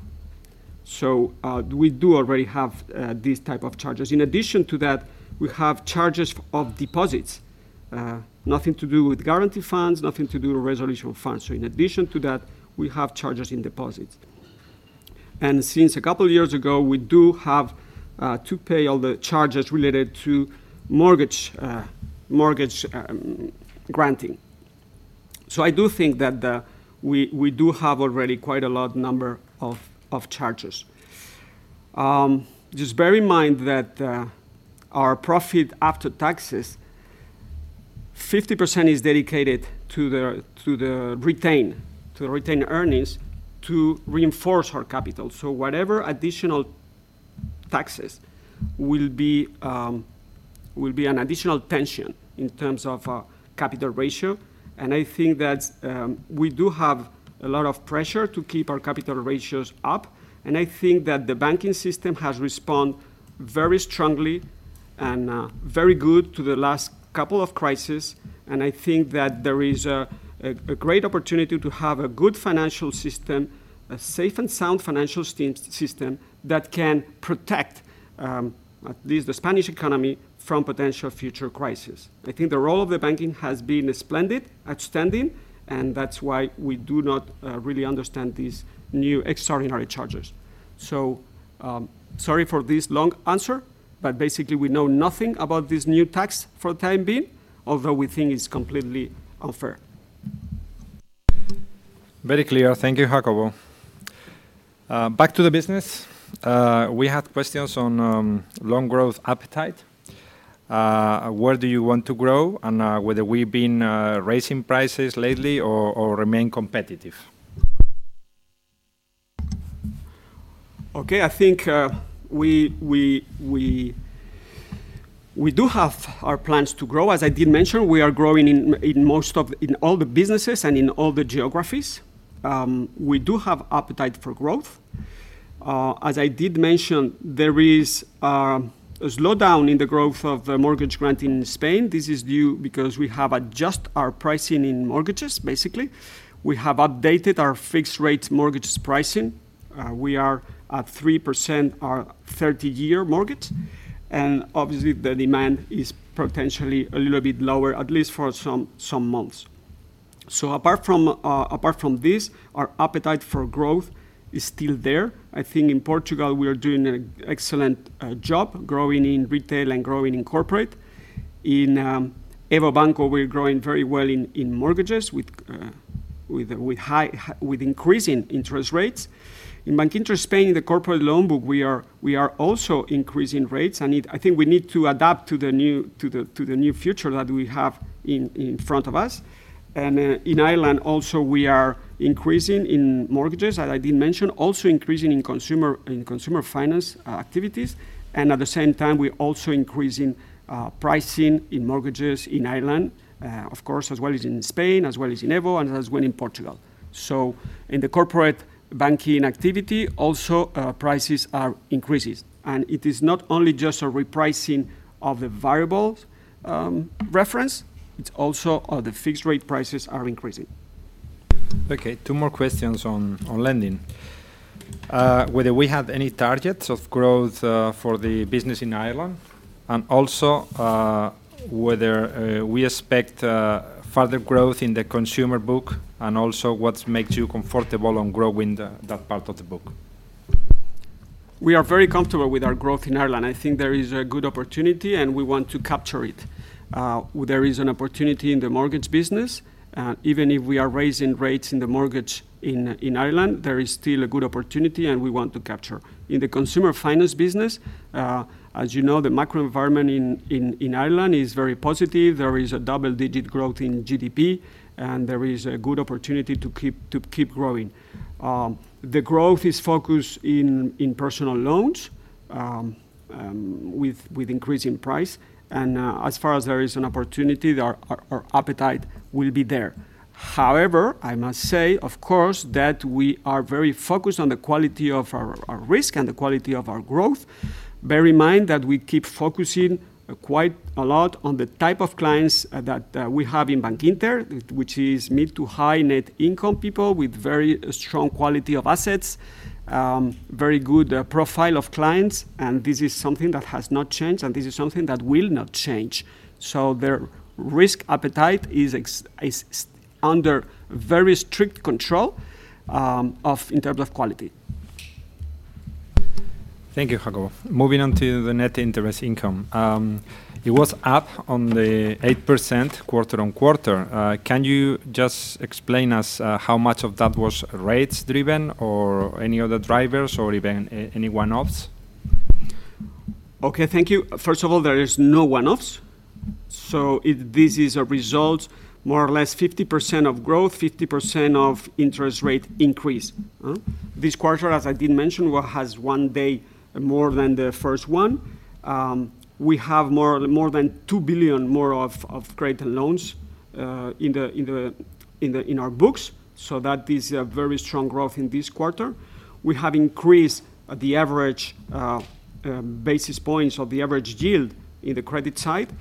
We do already have these type of charges. In addition to that, we have charges of deposits. Nothing to do with guarantee funds, nothing to do with resolution funds. In addition to that, we have charges in deposits. Since a couple of years ago, we do have to pay all the charges related to mortgage granting. I do think that we do have already quite a lot number of charges. Just bear in mind that our profit after taxes, 50% is dedicated to retain earnings to reinforce our capital. Whatever additional taxes will be will be an additional tension in terms of our capital ratio. I think that we do have a lot of pressure to keep our capital ratios up. I think that the banking system has responded very strongly and very good to the last couple of crises. I think that there is a great opportunity to have a good financial system, a safe and sound financial system that can protect at least the Spanish economy from potential future crises. I think the role of the banking has been splendid, outstanding, and that's why we do not really understand these new extraordinary charges. Sorry for this long answer, but basically we know nothing about this new tax for the time being, although we think it's completely unfair. Very clear. Thank you, Jacobo. Back to the business. We have questions on loan growth appetite. Where do you want to grow, and whether we've been raising prices lately or remain competitive. Okay, I think we do have our plans to grow. As I did mention, we are growing in all the businesses and in all the geographies. We do have appetite for growth. As I did mention, there is a slowdown in the growth of mortgage granting in Spain. This is due because we have adjusted our pricing in mortgages, basically. We have updated our fixed-rate mortgages pricing. We are at 3% our 30-year mortgage. Obviously, the demand is potentially a little bit lower, at least for some months. Apart from this, our appetite for growth is still there. I think in Portugal, we are doing an excellent job growing in retail and growing in corporate. In EVO Banco, we're growing very well in mortgages with increasing interest rates. In Bankinter Spain, the corporate loan book, we are also increasing rates. I think we need to adapt to the new future that we have in front of us. In Ireland also, we are increasing in mortgages, as I did mention, also increasing in consumer finance activities. At the same time, we're also increasing pricing in mortgages in Ireland, of course, as well as in Spain, as well as in EVO, and as well in Portugal. In the corporate banking activity also, prices are increasing. It is not only just a repricing of the variable reference, it's also the fixed rate prices are increasing. Okay, two more questions on lending. Whether we have any targets of growth for the business in Ireland? Also, whether we expect further growth in the consumer book, and also what makes you comfortable on growing that part of the book? We are very comfortable with our growth in Ireland. I think there is a good opportunity, and we want to capture it. There is an opportunity in the mortgage business. Even if we are raising rates in the mortgage in Ireland, there is still a good opportunity, and we want to capture. In the consumer finance business, as you know, the macro environment in Ireland is very positive. There is a double-digit growth in GDP, and there is a good opportunity to keep growing. The growth is focused in personal loans with increase in price, and as far as there is an opportunity, our appetite will be there. However, I must say, of course, that we are very focused on the quality of our risk and the quality of our growth. Bear in mind that we keep focusing quite a lot on the type of clients that we have in Bankinter, which is mid to high net income people with very strong quality of assets, very good profile of clients, and this is something that has not changed, and this is something that will not change. The risk appetite is under very strict control in terms of quality. Thank you, Jacobo. Moving on to the net interest income. It was up 8% quarter-on-quarter. Can you just explain to us how much of that was rates-driven or any other drivers or even any one-offs? Okay, thank you. First of all, there is no one-offs, so this is a result, more or less 50% of growth, 50% of interest rate increase. This quarter, as I did mention, has one day more than the first one. We have more than 2 billion more of gross loans in our books, so that is a very strong growth in this quarter. We have increased the average basis points of the average yield in the credit side.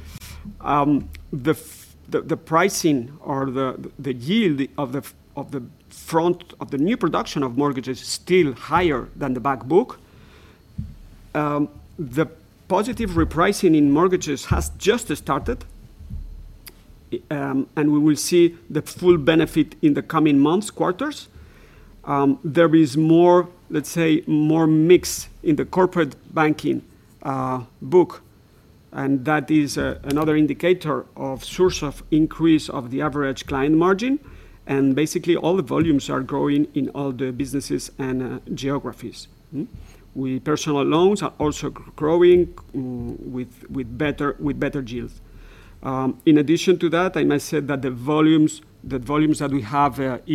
The pricing or the yield of the front book of the new production of mortgages is still higher than the back book. The positive repricing in mortgages has just started, and we will see the full benefit in the coming months, quarters. There is more, let's say, more mix in the corporate banking book, and that is another indicator of source of increase of the average client margin, and basically all the volumes are growing in all the businesses and geographies. Personal loans are also growing with better yields. In addition to that, I must say that the volumes that we have at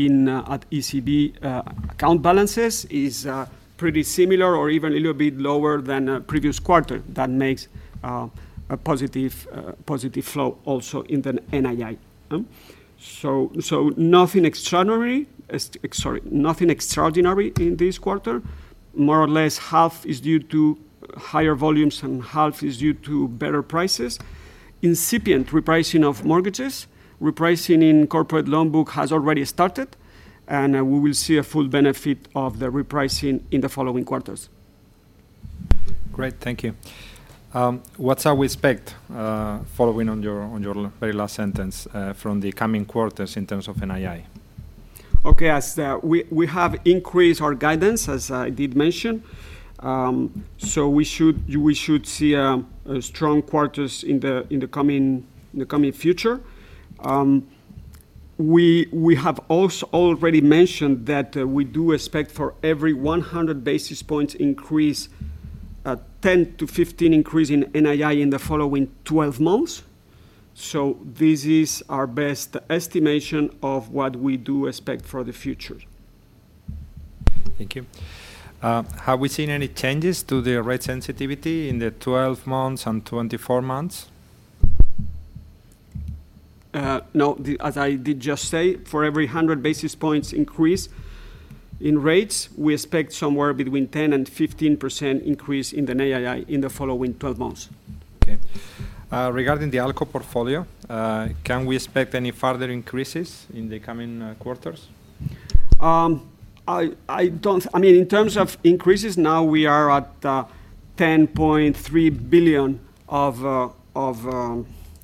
ECB account balances is pretty similar or even a little bit lower than previous quarter. That makes a positive flow also in the NII. Nothing extraordinary in this quarter. More or less half is due to higher volumes, and half is due to better prices. Incipient repricing of mortgages. Repricing in corporate loan book has already started, and we will see a full benefit of the repricing in the following quarters. Great. Thank you. What's our prospect following on your very last sentence from the coming quarters in terms of NII? Okay. As we have increased our guidance, as I did mention. We should see strong quarters in the coming future. We have already mentioned that we do expect for every 100 basis points increase, 10%-15% increase in NII in the following 12 months, so this is our best estimation of what we do expect for the future. Thank you. Have we seen any changes to the rate sensitivity in the 12 months and 24 months? No. As I did just say, for every 100 basis points increase in rates, we expect somewhere between 10% and 15% increase in the NII in the following 12 months. Okay. Regarding the ALCO portfolio, can we expect any further increases in the coming quarters? I mean, in terms of increases, now we are at 10.3 billion of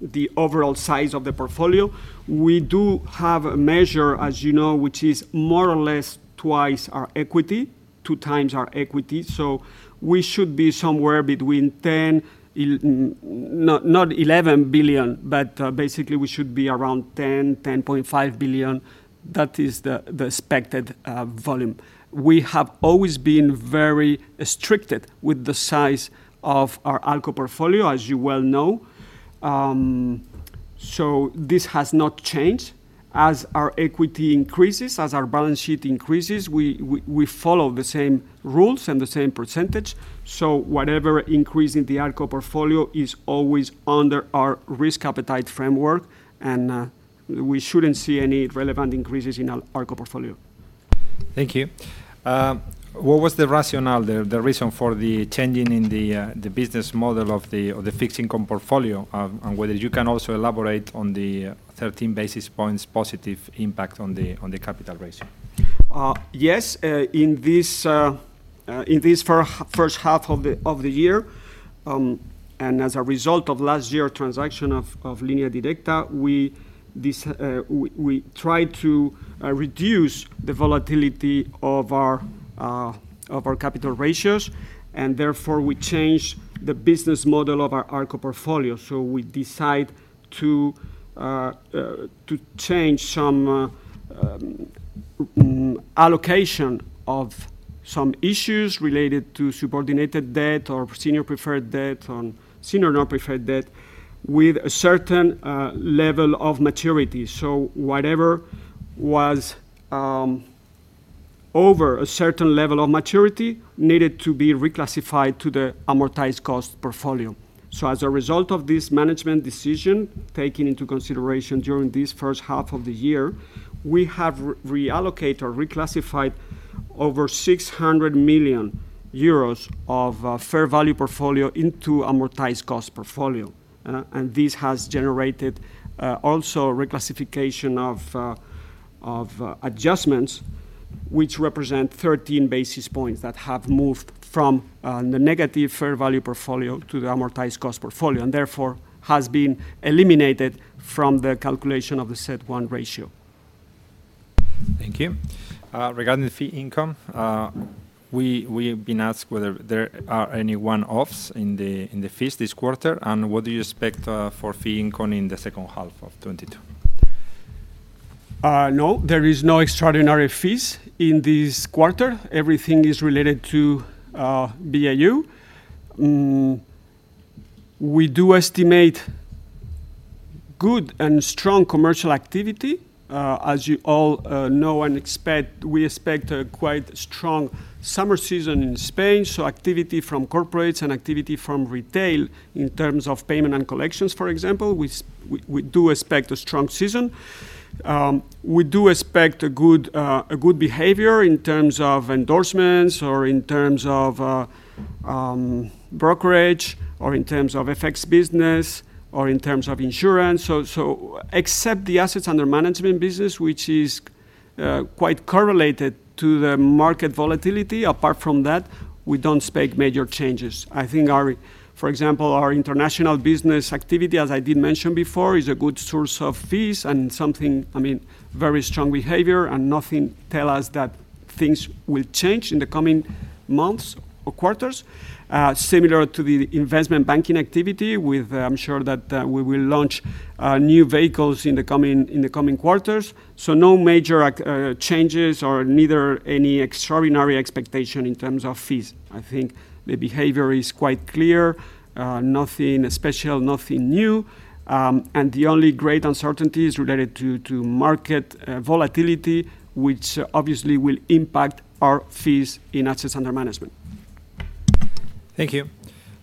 the overall size of the portfolio. We do have a measure, as you know, which is more or less twice our equity, two times our equity, so we should be somewhere between 10, not 11 billion, but basically we should be around 10 billion-10.5 billion. That is the expected volume. We have always been very restricted with the size of our ALCO portfolio, as you well know. This has not changed. As our equity increases, as our balance sheet increases, we follow the same rules and the same percentage, so whatever increase in the ALCO portfolio is always under our risk appetite framework, and we shouldn't see any relevant increases in our ALCO portfolio. Thank you. What was the rationale, the reason for the change in the business model of the fixed income portfolio, and whether you can also elaborate on the 13 basis points positive impact on the capital ratio? Yes. In this first half of the year, and as a result of last year transaction of Línea Directa, we try to reduce the volatility of our capital ratios, and therefore we change the business model of our ALCO portfolio. We decide to change some allocation of some issues related to subordinated debt or senior preferred debt to senior non-preferred debt with a certain level of maturity. Whatever was over a certain level of maturity needed to be reclassified to the amortized cost portfolio. As a result of this management decision, taking into consideration during this first half of the year, we have reallocated or reclassified over 600 million euros of fair value portfolio into amortized cost portfolio. This has generated also reclassification of adjustments which represent 13 basis points that have moved from the negative fair value portfolio to the amortized cost portfolio, and therefore has been eliminated from the calculation of the CET1 ratio. Thank you. Regarding the fee income, we've been asked whether there are any one-offs in the fees this quarter, and what do you expect for fee income in the H2 of 2022? No, there is no extraordinary fees in this quarter. Everything is related to BAU. We do estimate good and strong commercial activity. As you all know and expect, we expect a quite strong summer season in Spain, so activity from corporates and activity from retail in terms of payment and collections, for example. We do expect a strong season. We do expect a good behavior in terms of endorsements or in terms of brokerage, or in terms of FX business, or in terms of insurance. Except the assets under management business, which is quite correlated to the market volatility, apart from that, we don't expect major changes. I think, for example, our international business activity, as I did mention before, is a good source of fees and something. I mean, very strong behavior and nothing tells us that things will change in the coming months or quarters. Similar to the investment banking activity, I'm sure that we will launch new vehicles in the coming quarters. No major changes or neither any extraordinary expectation in terms of fees. I think the behavior is quite clear, nothing special, nothing new. The only great uncertainty is related to market volatility, which obviously will impact our fees in assets under management. Thank you.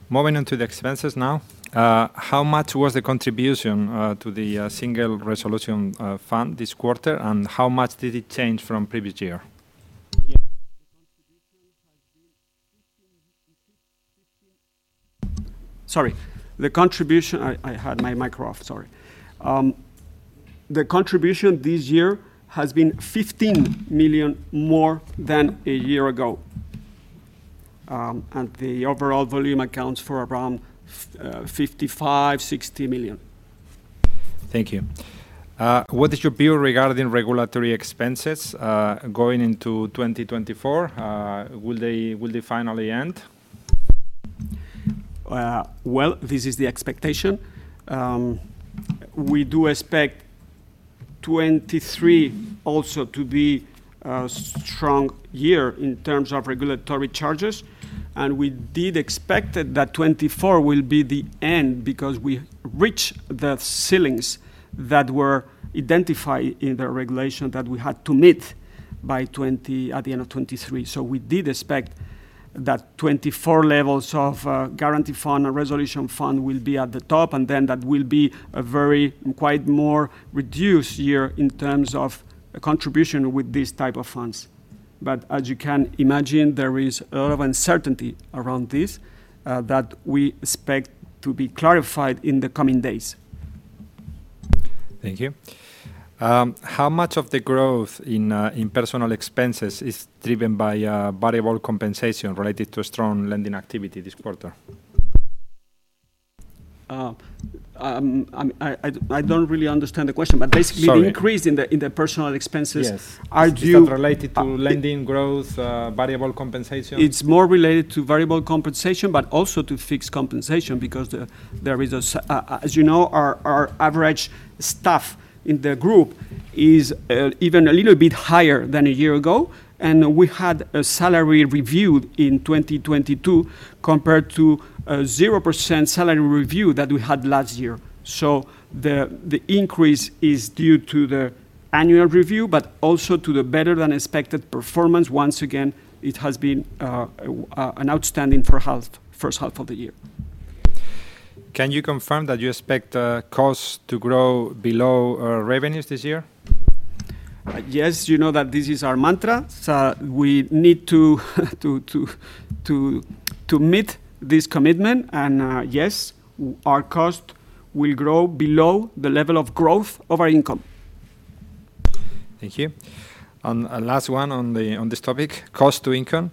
Moving on to the expenses now. How much was the contribution to the Single Resolution Fund this quarter, and how much did it change from previous year? The contribution this year has been 15 million more than a year ago. The overall volume accounts for around 55 million-60 million. Thank you. What is your view regarding regulatory expenses going into 2024? Will they finally end? Well, this is the expectation. We do expect 2023 also to be a strong year in terms of regulatory charges, and we did expect that 2024 will be the end because we reach the ceilings that were identified in the regulation that we had to meet by the end of 2023. We did expect that 2024 levels of guarantee fund or resolution fund will be at the top, and then that will be a very, quite more reduced year in terms of contribution with these type of funds. As you can imagine, there is a lot of uncertainty around this that we expect to be clarified in the coming days. Thank you. How much of the growth in personal expenses is driven by variable compensation related to strong lending activity this quarter? I don't really understand the question, but basically. Sorry The increase in the personal expenses. Yes Are due. Is that related to lending growth, variable compensation? It's more related to variable compensation, but also to fixed compensation because, as you know, our average staff in the group is even a little bit higher than a year ago, and we had a salary review in 2022 compared to a 0% salary review that we had last year. The increase is due to the annual review, but also to the better-than-expected performance. Once again, it has been an outstanding first half of the year. Can you confirm that you expect costs to grow below revenues this year? Yes, you know that this is our mantra. We need to meet this commitment, and, yes, our cost will grow below the level of growth of our income. Thank you. A last one on this topic, cost to income.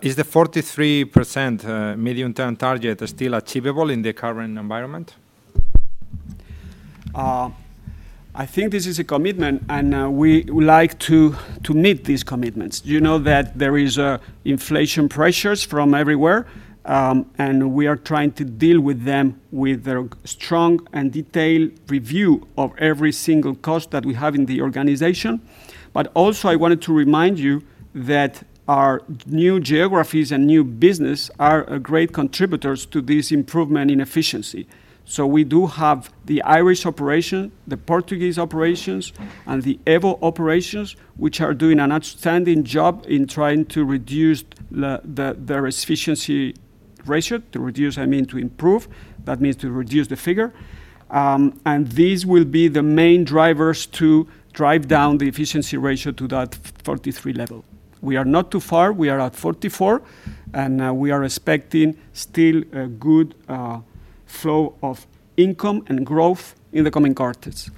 Is the 43% medium-term target still achievable in the current environment? I think this is a commitment, and we would like to meet these commitments. You know that there is inflation pressures from everywhere, and we are trying to deal with them with a strong and detailed review of every single cost that we have in the organization. I wanted to remind you that our new geographies and new business are great contributors to this improvement in efficiency. We do have the Irish operation, the Portuguese operations, and the EVO operations, which are doing an outstanding job in trying to reduce their efficiency ratio. To reduce, I mean to improve. That means to reduce the figure. These will be the main drivers to drive down the efficiency ratio to that 43 level. We are not too far. We are at 44, and we are expecting still a good flow of income and growth in the coming quarters.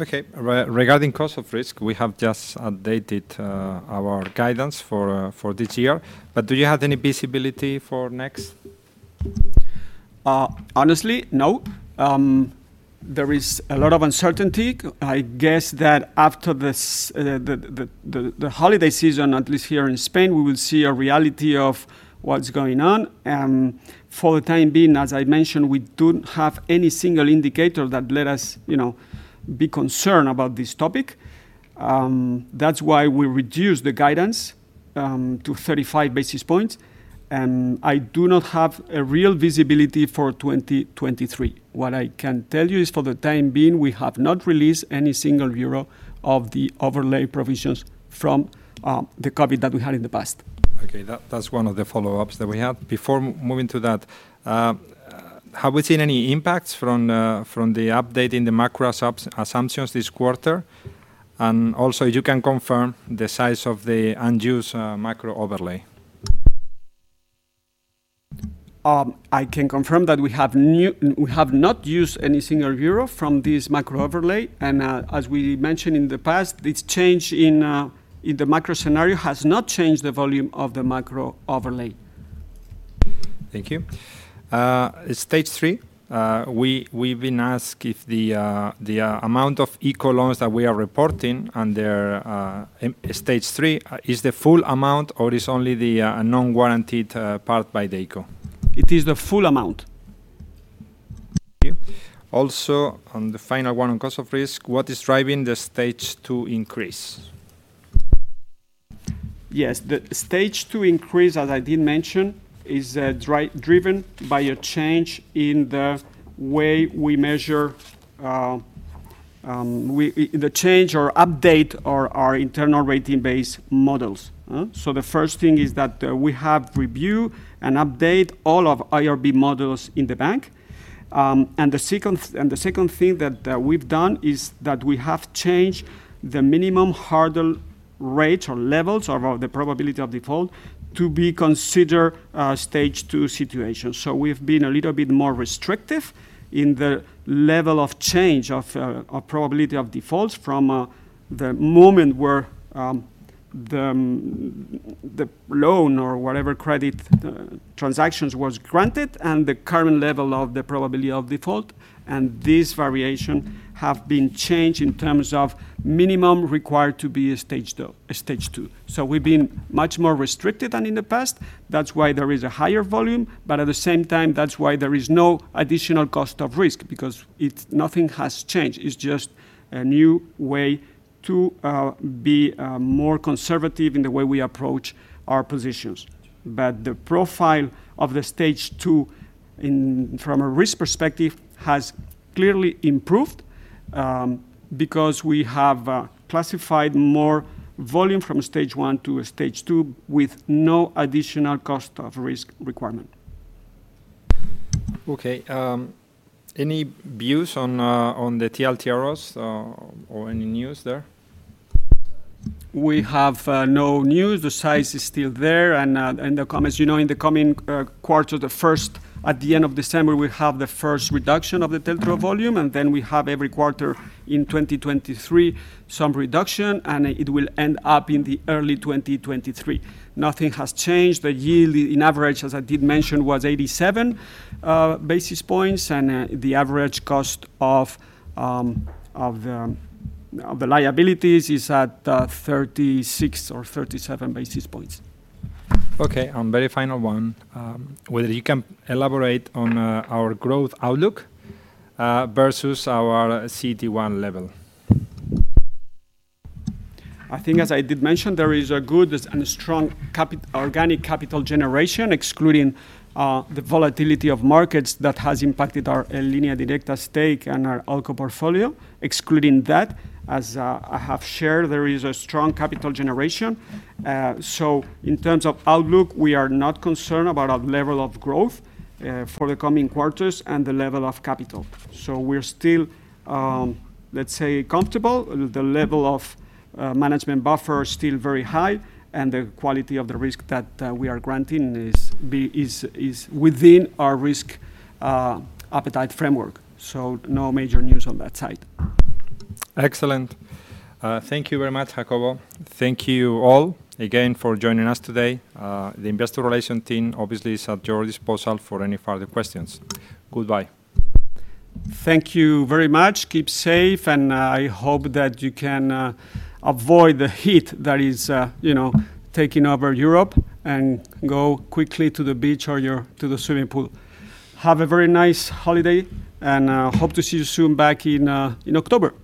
Okay. Regarding cost of risk, we have just updated our guidance for this year. Do you have any visibility for next? Honestly, no. There is a lot of uncertainty. I guess that after the holiday season, at least here in Spain, we will see a reality of what's going on. For the time being, as I mentioned, we don't have any single indicator that let us, you know, be concerned about this topic. That's why we reduced the guidance to 35 basis points, and I do not have a real visibility for 2023. What I can tell you is, for the time being, we have not released any single euro of the overlay provisions from the COVID that we had in the past. Okay. That, that's one of the follow-ups that we have. Before moving to that, have we seen any impacts from the update in the macro assumptions this quarter? Also, you can confirm the size of the unused macro overlay. I can confirm that we have not used any single euro from this macro overlay, and as we mentioned in the past, this change in the macro scenario has not changed the volume of the macro overlay. Thank you. Stage 3, we've been asked if the amount of ICO loans that we are reporting under Stage 3 is the full amount, or is only the non-guaranteed part by the ICO? It is the full amount. Thank you. Also, on the final one on cost of risk, what is driving the Stage 2 increase? Yes. The Stage 2 increase, as I did mention, is driven by a change in the way we measure our internal ratings-based models. The first thing is that we have reviewed and updated all of IRB models in the bank. The second thing that we've done is that we have changed the minimum hurdle rate or levels of the probability of default to be considered a Stage 2 situation. We've been a little bit more restrictive in the level of change of probability of defaults from the moment where the loan or whatever credit transactions was granted and the current level of the probability of default, and this variation have been changed in terms of minimum required to be a Stage 2. We've been much more restricted than in the past. That's why there is a higher volume, but at the same time, that's why there is no additional cost of risk because nothing has changed. It's just a new way to be more conservative in the way we approach our positions. The profile of the Stage 2 in, from a risk perspective, has clearly improved, because we have classified more volume from Stage 1 to Stage 2 with no additional cost of risk requirement. Okay, any views on the TLTROs or any news there? We have no news. The size is still there, and the comments, you know, in the coming quarter, the first, at the end of December, we have the first reduction of the TLTRO volume, and then we have every quarter in 2023 some reduction, and it will end up in the early 2023. Nothing has changed. The yield in average, as I did mention, was 87 basis points, and the average cost of the liabilities is at 36 or 37 basis points. Okay, very final one. Whether you can elaborate on our growth outlook versus our CET1 level? I think, as I did mention, there is a good and a strong organic capital generation, excluding the volatility of markets that has impacted our Línea Directa stake and our ALCO portfolio. Excluding that, as I have shared, there is a strong capital generation. In terms of outlook, we are not concerned about our level of growth for the coming quarters and the level of capital. We're still, let's say comfortable. The level of management buffer is still very high, and the quality of the risk that we are granting is within our risk appetite framework. No major news on that side. Excellent. Thank you very much, Jacobo. Thank you all again for joining us today. The Investor Relations team obviously is at your disposal for any further questions. Goodbye. Thank you very much. Keep safe, and I hope that you can avoid the heat that is, you know, taking over Europe and go quickly to the beach or to the swimming pool. Have a very nice holiday, and hope to see you soon back in October.